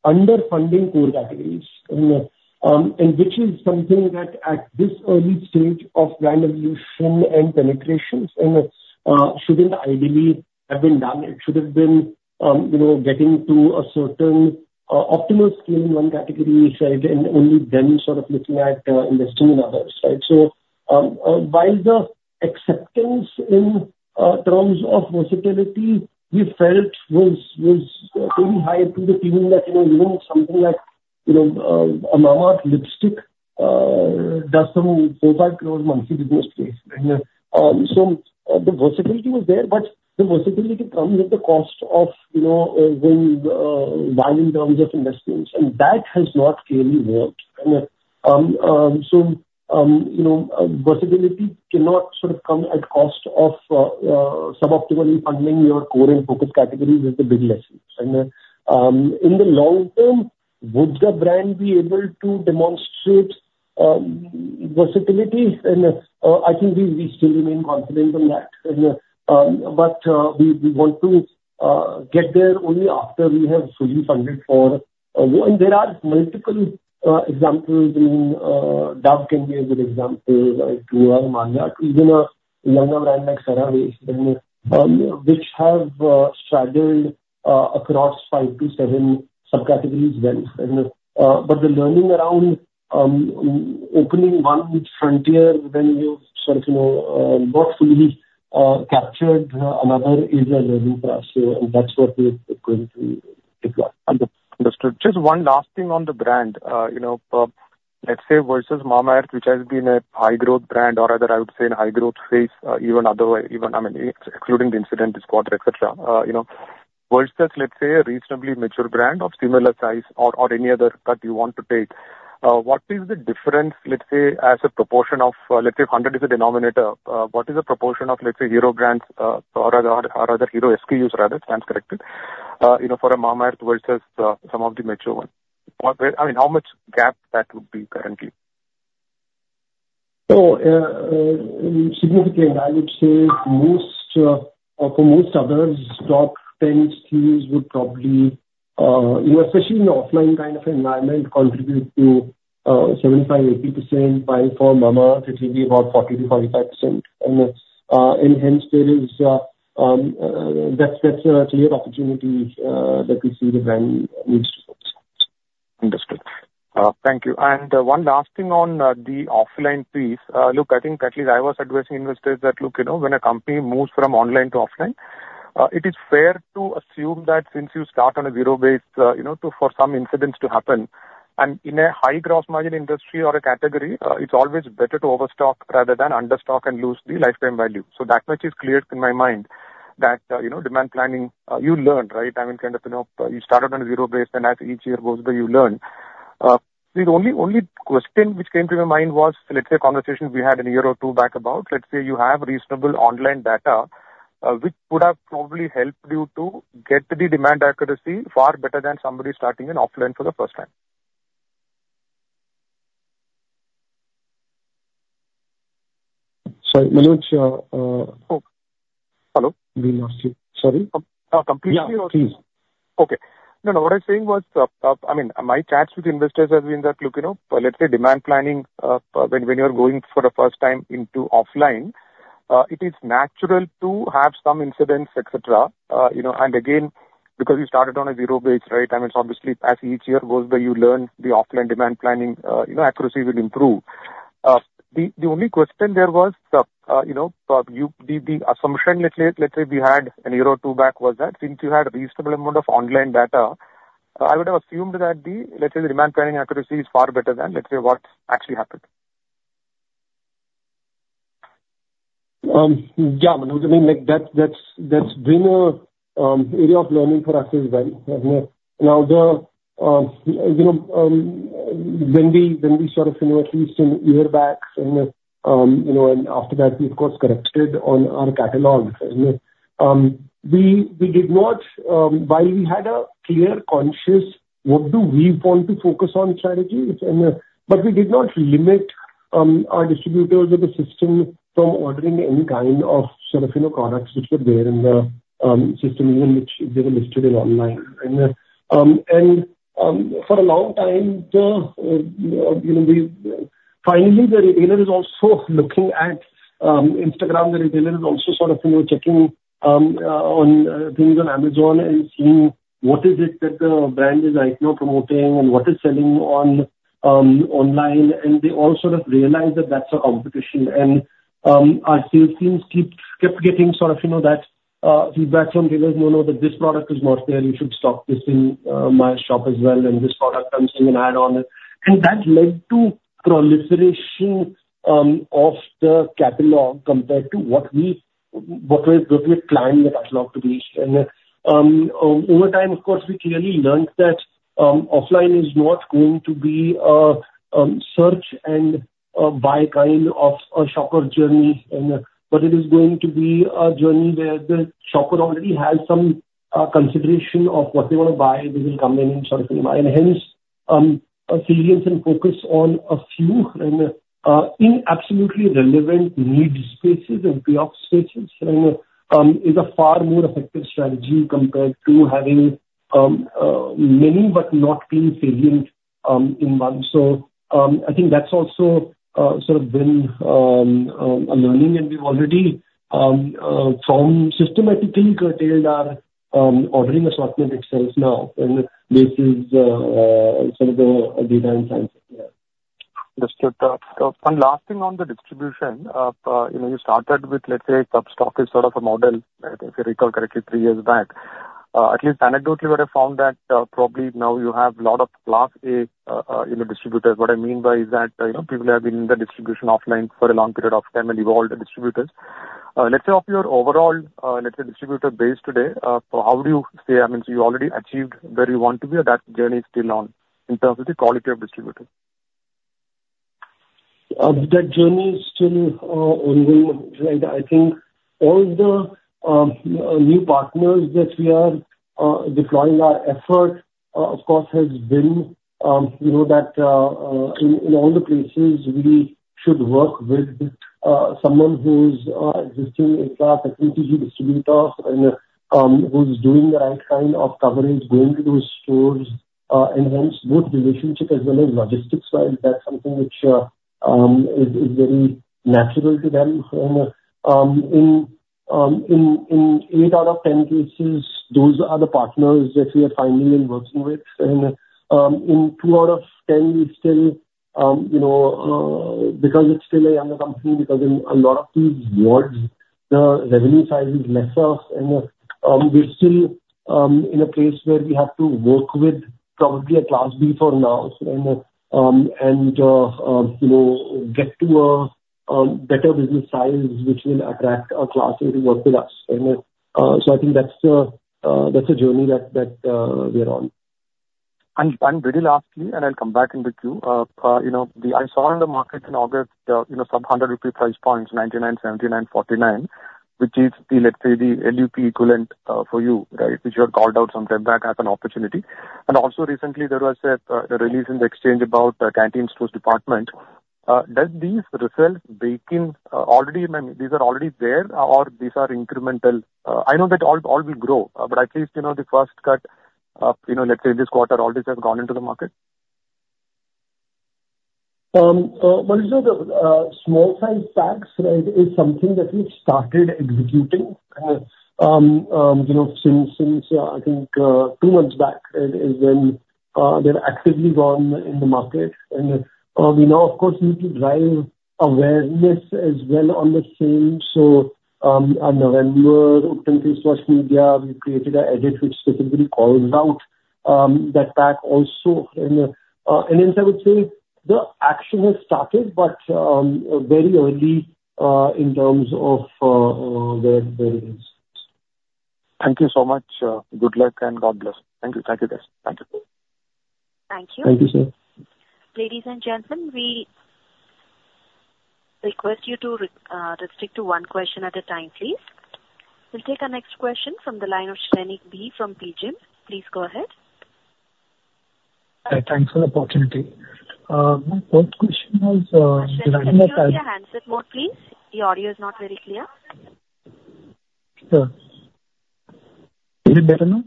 underfunding core categories, which is something that at this early stage of brand evolution and penetrations shouldn't ideally have been done. It should have been getting to a certain optimal scale in one category, and only then sort of looking at investing in others. So while the acceptance in terms of versatility we felt was pretty high to the feeling that even something like a Mamaearth lipstick does some INR 4- INR 5 crore monthly business case. So the versatility was there, but the versatility comes at the cost of going wide in terms of investments. And that has not clearly worked. Versatility cannot sort of come at cost of suboptimally funding your core and focus categories is the big lesson. And in the long term, would the brand be able to demonstrate versatility? And I think we still remain confident on that. But we want to get there only after we have fully funded. For there are multiple examples. I mean, Dove can be a good example, like Dual Manjak, even a younger brand like CeraVe, which have straddled across five-to-seven subcategories then. But the learning around opening one frontier when you've sort of not fully captured another is a learning process. And that's what we're going to take on.
Understood. Just one last thing on the brand. Let's say versus Mamaearth, which has been a high-growth brand or other, I would say, in high-growth phase, even otherwise, I mean, excluding the incident this quarter, etc., versus, let's say, a reasonably mature brand of similar size or any other that you want to take. What is the difference, let's say, as a proportion of, let's say, 100 is the denominator? What is the proportion of, let's say, hero brands or other hero SKUs, rather, sounds correct, for a Mamaearth versus some of the mature ones? I mean, how much gap that would be currently?
Oh, significant. I would say most, for most others, top 10 SKUs would probably, especially in the offline kind of environment, contribute to 75%-80%. While for Mamaearth, it will be about 40%-45%. And hence, there is that's a clear opportunity that we see the brand needs to focus on.
Understood. Thank you. And one last thing on the offline piece. Look, I think at least I was advising investors that, look, when a company moves from online to offline, it is fair to assume that since you start on a zero base for some instances to happen, and in a high gross margin industry or a category, it's always better to overstock rather than understock and lose the lifetime value. So that much is clear in my mind that demand planning, you learn, right? I mean, kind of you started on a zero base, and as each year goes by, you learn. The only question which came to my mind was, let's say, a conversation we had a year or two back about, let's say you have reasonable online data, which would have probably helped you to get the demand accuracy far better than somebody starting in offline for the first time.
Sorry, Manoj.
Oh, hello?
Sorry?
Completely yours.
Yeah, please.
Okay. No, no. What I was saying was, I mean, my chats with investors have been that, look, let's say, demand planning, when you're going for the first time into offline, it is natural to have some incidents, etc. And again, because you started on a zero base, right? I mean, obviously, as each year goes by, you learn the offline demand planning accuracy will improve. The only question there was the assumption, let's say, we had a year or two back, was that since you had a reasonable amount of online data, I would have assumed that the, let's say, the demand planning accuracy is far better than, let's say, what actually happened.
Yeah, Manoj. I mean, that's been an area of learning for us as well. Now, when we sort of, at least a year back, and after that, we, of course, corrected on our catalog. We did not, while we had a clear, conscious, what do we want to focus on strategy, but we did not limit our distributors of the system from ordering any kind of sort of products which were there in the system, which they were listed in online, and for a long time, finally, the retailer is also looking at Instagram. The retailer is also sort of checking on things on Amazon and seeing what is it that the brand is right now promoting and what is selling online, and they all sort of realize that that's a competition. Our sales teams kept getting sort of that feedback from retailers, "No, no, this product is not there. You should stock this in my shop as well. And this product comes in an add-on." That led to proliferation of the catalog compared to what we were planning the catalog to be. Over time, of course, we clearly learned that offline is not going to be a search and buy kind of a shopper journey, but it is going to be a journey where the shopper already has some consideration of what they want to buy. They will come in and sort of buy it. Hence, salient and focus on a few in absolutely relevant needs spaces and payoff spaces is a far more effective strategy compared to having many but not being salient in one. I think that's also sort of been a learning. We've already systematically curtailed our ordering assortment itself now based on some of the data and science.
Understood. One last thing on the distribution. You started with, let's say, super stockist sort of a model, if I recall correctly, three years back. At least anecdotally, what I found that probably now you have a lot of Class A distributors. What I mean by that is that people have been in the distribution offline for a long period of time and evolved distributors. Let's say of your overall, let's say, distributor base today, how do you say, I mean, you already achieved where you want to be, or that journey is still on in terms of the quality of distributors?
That journey is still ongoing, right? I think all the new partners that we are deploying our effort, of course, has been that in all the places, we should work with someone who's a Class A strategic distributor, who's doing the right kind of coverage, going to those stores. And hence, both relationship as well as logistics-wise, that's something which is very natural to them. In eight out of 10 cases, those are the partners that we are finding and working with. And in two out of 10, we still, because it's still a younger company, because in a lot of these wards, the revenue size is lesser. And we're still in a place where we have to work with probably a Class B for now and get to a better business size which will attract a Class A to work with us. So I think that's a journey that we're on.
And very lastly, and I'll come back into queue, I saw in the market in August, some 100 rupee price points, 99, 79, 49, which is the, let's say, the LUP equivalent for you, right, which you had called out some time back as an opportunity. And also recently, there was a release in the exchange about the Canteen Stores Department. Does these results baked in already? I mean, these are already there, or these are incremental? I know that all will grow, but at least the first cut, let's say, this quarter, all this has gone into the market?
Manoj, the small-sized packs, right, is something that we've started executing since, I think, two months back, and then they've actively gone in the market. And we now, of course, need to drive awareness as well on the same. So in November, on Facebook media, we created an ad which specifically calls out that pack also. And hence, I would say the action has started, but very early in terms of where it is.
Thank you so much. Good luck and God bless. Thank you. Thank you, guys. Thank you.
Thank you.
Thank you, sir.
Ladies and gentlemen, we request you to restrict to one question at a time, please. We'll take our next question from the line of Shrenik B from PGIM. Please go ahead.
Thanks for the opportunity. My first question was.
Shrenik, can you raise your hands a bit more, please? Your audio is not very clear.
Sure. Is it better now?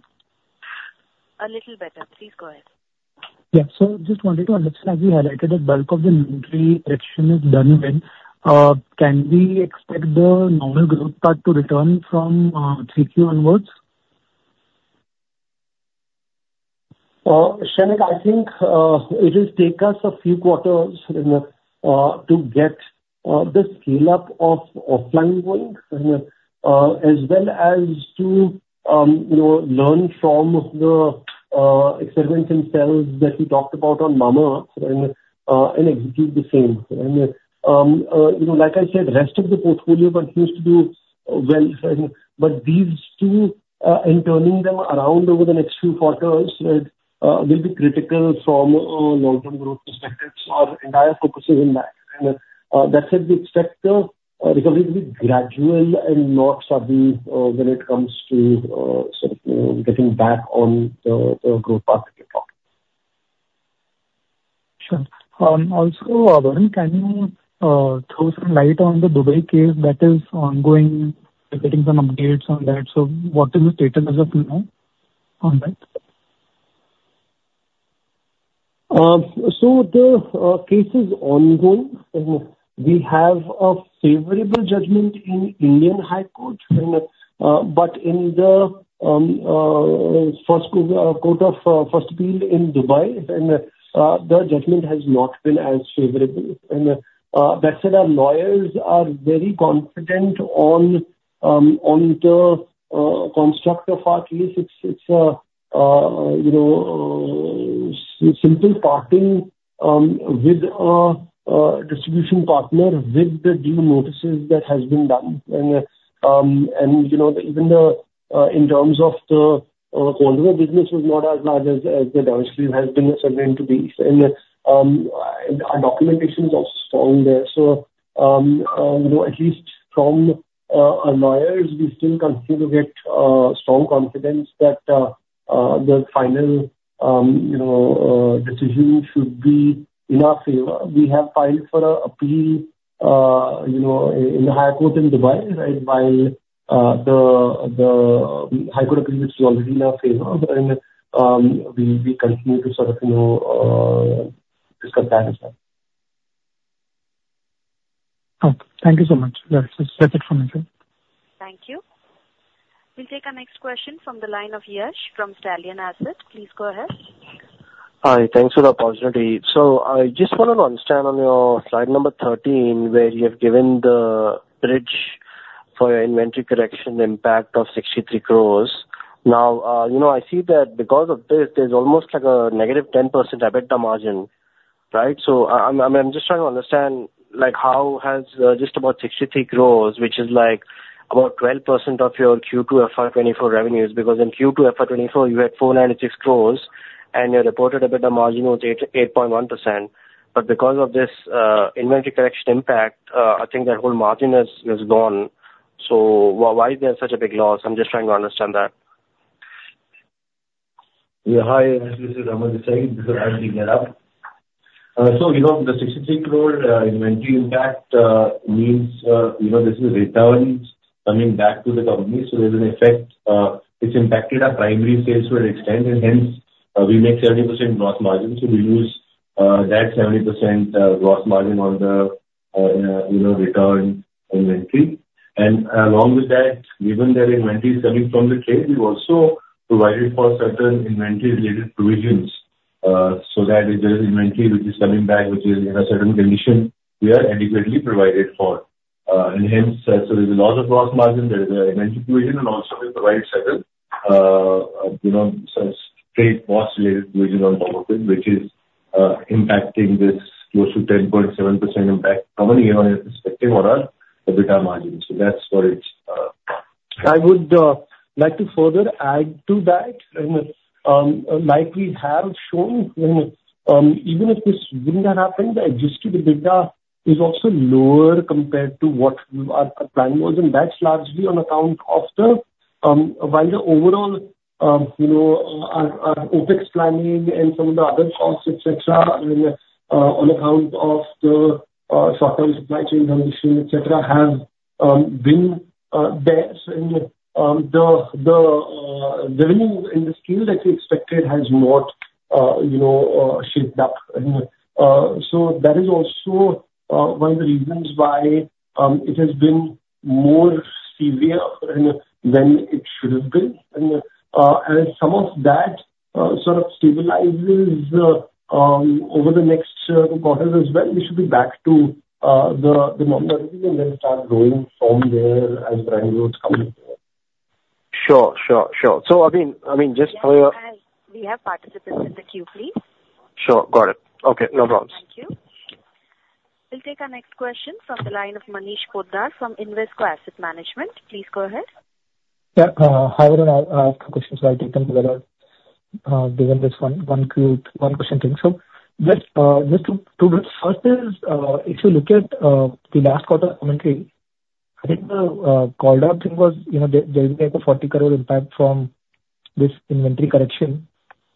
A little better. Please go ahead.
Yeah. So just wanted to understand, as you highlighted, the bulk of the remedial action is done when. Can we expect the normal growth path to return from 3Q onwards?
Shrenik, I think it will take us a few quarters to get the scale-up of offline going, as well as to learn from the experiments themselves that we talked about on Mamaearth and execute the same. And like I said, the rest of the portfolio continues to do well. But these two, and turning them around over the next few quarters, will be critical from a long-term growth perspective our entire focus in that. And that said, we expect the recovery to be gradual and not sudden when it comes to sort of getting back on the growth path that we're talking about.
Sure. Also, Varun, can you throw some light on the Dubai case that is ongoing, getting some updates on that? So what is the status as of now on that?
So the case is ongoing. We have a favorable judgment in Indian High Court, but in the First Court of First Appeal in Dubai, the judgment has not been as favorable. And that said, our lawyers are very confident on the construct of our case. It's a simple parting with a distribution partner with the due notices that has been done. And even in terms of the quantum of business, it was not as large as the damages has been assigned to be. And our documentation is also strong there. So at least from our lawyers, we still continue to get strong confidence that the final decision should be in our favor. We have filed for an appeal in the High Court in Dubai, right, while the High Court judgment is already in our favor. And we continue to sort of discuss that as well.
Thank you so much. That's it from me, sir.
Thank you. We'll take our next question from the line of Yash from Stallion Asset. Please go ahead.
Hi. Thanks for the opportunity. So I just wanted to understand on your slide number 13, where you have given the bridge for your inventory correction impact of 63 crores. Now, I see that because of this, there's almost like a negative 10% EBITDA margin, right? So I'm just trying to understand how has just about 63 crores, which is like about 12% of your Q2 FY2024 revenues, because in Q2 FY2024, you had 496 crores, and your reported EBITDA margin was 8.1%. But because of this inventory correction impact, I think that whole margin has gone. So why is there such a big loss? I'm just trying to understand that.
Yeah. Hi, this is Raman saying because I'm the head of. So the 63 crore inventory impact means this is returns coming back to the company. So there's an effect. It's impacted our primary sales for an extent, and hence we make 70% gross margin. So we lose that 70% gross margin on the return inventory. And along with that, given that inventory is coming from the trade, we've also provided for certain inventory-related provisions. So that if there is inventory which is coming back, which is in a certain condition, we are adequately provided for. And hence, so there's a lot of gross margin, there is an inventory provision, and also we provide certain trade cost-related provision on top of it, which is impacting this close to 10.7% impact from an EBITDA perspective on our EBITDA margin. So that's what it is.
I would like to further add to that, like we have shown, even if this wouldn't have happened, the adjusted EBITDA is also lower compared to what our plan was, and that's largely on account of the, while the overall OpEx planning and some of the other costs, etc., on account of the short-term supply chain condition, etc., have been there, and the revenue in the scale that we expected has not shaped up, and so that is also one of the reasons why it has been more severe than it should have been, and as some of that sort of stabilizes over the next quarters as well, we should be back to the normal revenue and then start growing from there as brand growth comes in.
Sure, sure, sure. So I mean, just for your.
We have participants in the queue, please.
Sure. Got it. Okay. No problem.
Thank you. We'll take our next question from the line of Manish Poddar from Invesco Asset Management. Please go ahead.
Yeah. Hi, everyone. I have a couple of questions, so I'll take them together given this one question thing. So just two minutes. First is, if you look at the last quarter commentary, I think the call-out thing was there will be like a 40 crore impact from this inventory correction.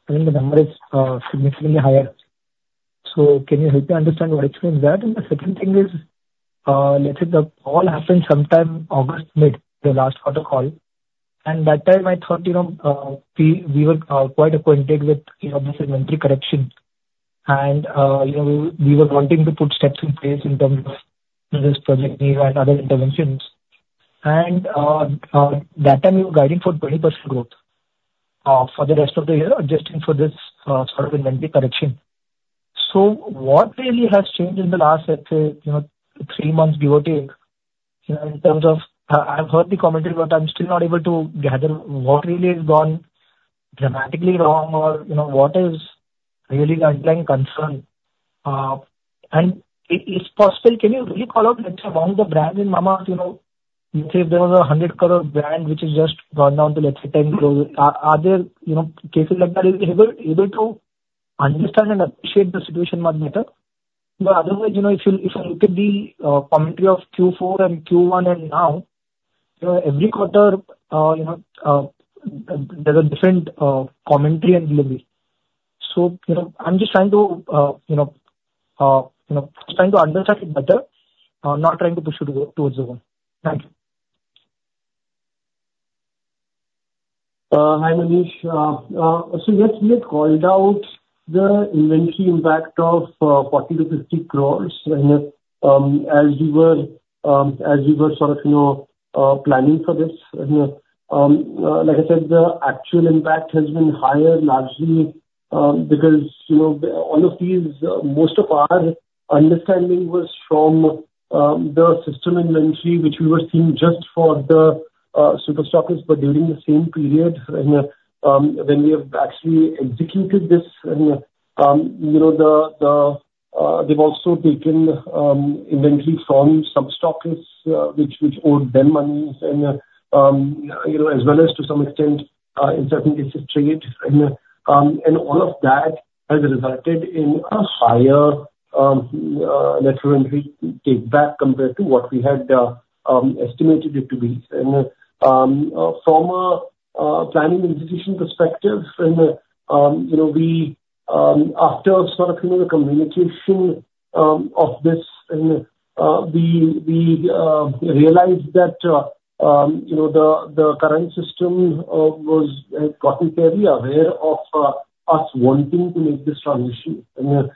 I think the number is significantly higher. So can you help me understand what explains that? And the second thing is, let's say the call happened sometime August, mid last quarter call. And that time, I thought we were quite acquainted with this inventory correction. And we were wanting to put steps in place in terms of this Project Neev and other interventions. And that time, we were guiding for 20% growth for the rest of the year, adjusting for this sort of inventory correction. So what really has changed in the last, let's say, three months, give or take, in terms of I've heard the commentary, but I'm still not able to gather what really has gone dramatically wrong or what is really the underlying concern. And if possible, can you really call out, let's say, among the brands in Mamaearth? Let's say if there was an 100 crore brand which has just gone down to, let's say, 10 crore, are there cases like that? Are you able to understand and appreciate the situation much better? But otherwise, if you look at the commentary of Q4 and Q1 and now, every quarter, there's a different commentary and delivery. So I'm just trying to, just trying to understand it better, not trying to push it towards the wall. Thank you.
Hi, Manish. So yes, we had called out the inventory impact of 40 crore-50 crore. And as we were sort of planning for this, like I said, the actual impact has been higher largely because all of these, most of our understanding was from the system inventory, which we were seeing just for the super stockist. But during the same period, when we have actually executed this, they've also taken inventory from some stockists which owed them money, as well as to some extent, in certain cases, trade. And all of that has resulted in a higher net revenue take-back compared to what we had estimated it to be. And from a planning execution perspective, after sort of the communication of this, we realized that the current system had gotten fairly aware of us wanting to make this transition. And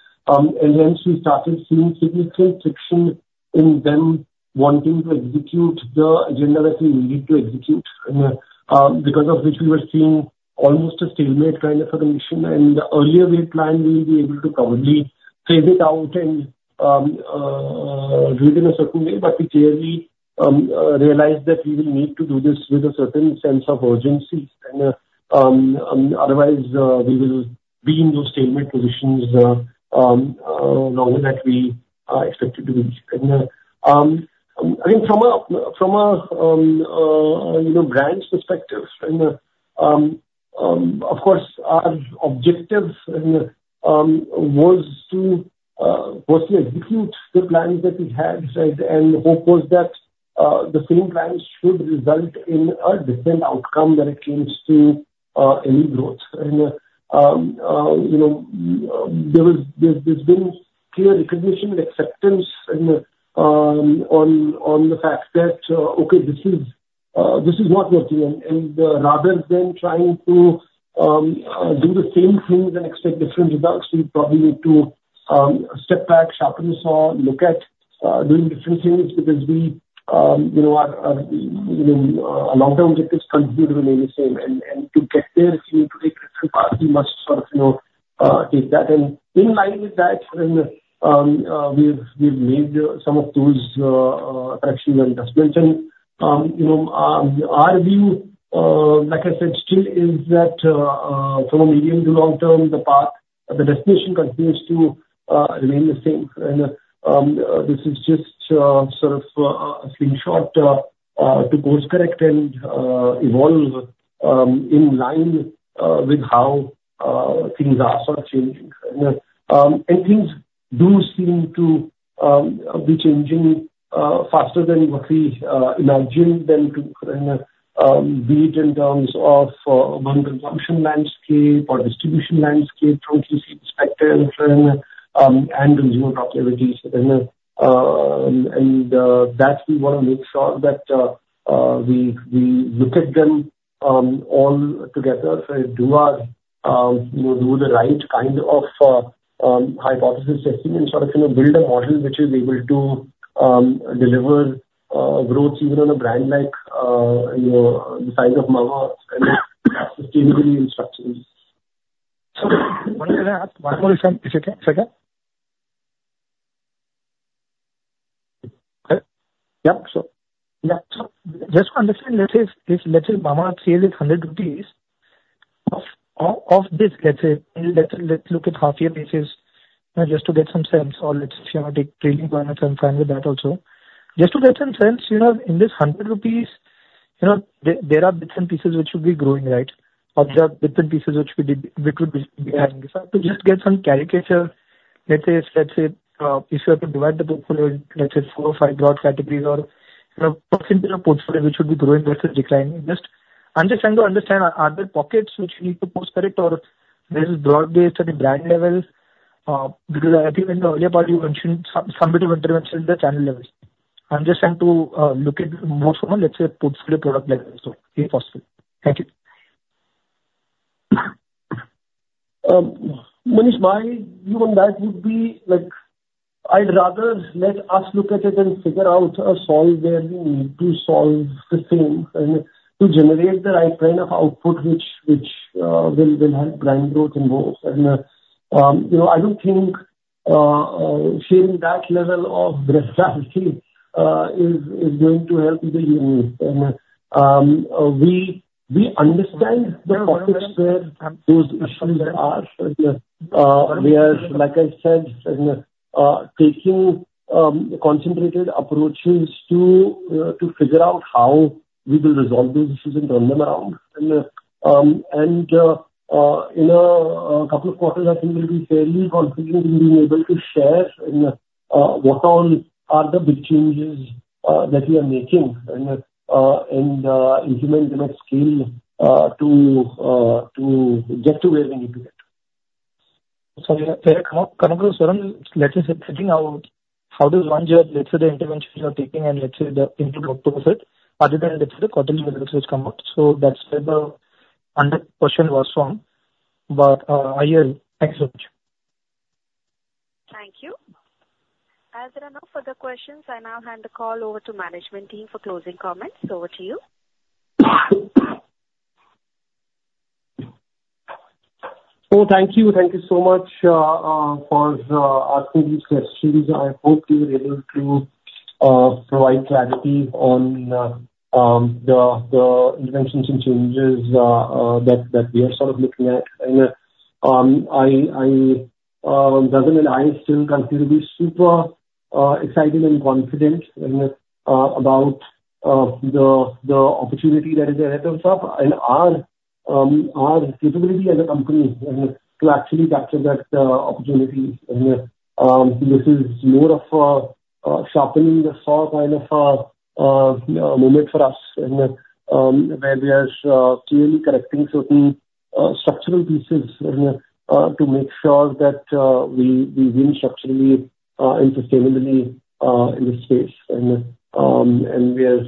hence, we started seeing significant friction in them wanting to execute the agenda that we needed to execute, because of which we were seeing almost a stalemate kind of a condition. And the earlier we had planned, we would be able to probably phase it out and do it in a certain way. But we clearly realized that we will need to do this with a certain sense of urgency. And otherwise, we will be in those stalemate positions longer than we expected to be. And I mean, from a brand perspective, of course, our objective was to firstly execute the plans that we had, and the hope was that the same plans should result in a different outcome when it comes to any growth. And there's been clear recognition and acceptance on the fact that, okay, this is not working. Rather than trying to do the same things and expect different results, we probably need to step back, sharpen the saw, look at doing different things because our long-term objective continues to remain the same. To get there, if you need to take risks, we must sort of take that. In line with that, we've made some of those corrections I just mentioned. Our view, like I said, still is that from a medium to long term, the path, the destination continues to remain the same. This is just sort of a screenshot to course-correct and evolve in line with how things are sort of changing. Things do seem to be changing faster than what we imagined them to be in terms of the consumption landscape or distribution landscape from a <audio distortion> perspective and consumer productivity. And that's what we want to make sure that we look at them all together, do the right kind of hypothesis testing, and sort of build a model which is able to deliver growth even on a brand like the size of Mamaearth and sustainability and structures.
Sorry, one more question. If you can, if you can.
Okay. Yep. Sure.
Yeah. So just to understand, let's say if Mamaearth sales is INR 100, of this, let's say, let's look at half-year basis just to get some sense, or let's say if you want to take trailing points and find with that also. Just to get some sense, in this 100 rupees, there are bits and pieces which would be growing, right? Or there are bits and pieces which would be declining. To just get some caricature, let's say, if you have to divide the portfolio, let's say, four or five broad categories or percentage of portfolio which would be growing versus declining, just to understand are there pockets which you need to course-correct, or there's broad-based at a brand level? Because I think in the earlier part, you mentioned some bit of intervention in the channel levels. I'm just trying to look at more from a, let's say, portfolio product level. So if possible. Thank you.
Manish, my view on that would be I'd rather let us look at it and figure out a solve where we need to solve the same to generate the right kind of output which will help brand growth and growth. And I don't think sharing that level of breadth is going to help the union. And we understand the pockets where those issues are, where, like I said, taking concentrated approaches to figure out how we will resolve those issues and turn them around. And in a couple of quarters, I think we'll be fairly confident in being able to share what all are the big changes that we are making and implement the next scale to get to where we need to get.
Sorry, can I come up? Let's say, thinking how this one year, let's say, the intervention you are taking and let's say the input workflows are different than the quarterly results which come out. So that's where the question was from, but I hear you. Thank you so much.
Thank you. As there are no further questions, I now hand the call over to management team for closing comments. Over to you.
Oh, thank you. Thank you so much for asking these questions. I hope you were able to provide clarity on the interventions and changes that we are sort of looking at. And Ghazal and I still continue to be super excited and confident about the opportunity that is ahead of us and our capability as a company to actually capture that opportunity. And this is more of a sharpening the saw kind of moment for us where we are clearly correcting certain structural pieces to make sure that we win structurally and sustainably in this space. And we are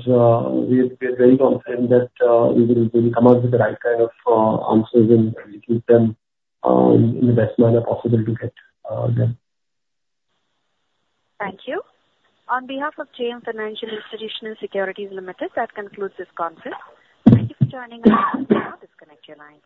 very confident that we will come out with the right kind of answers and execute them in the best manner possible to get them.
Thank you. On behalf of JM Financial Institutional Securities Limited, that concludes this conference. Thank you for joining us. Now, disconnect your lines.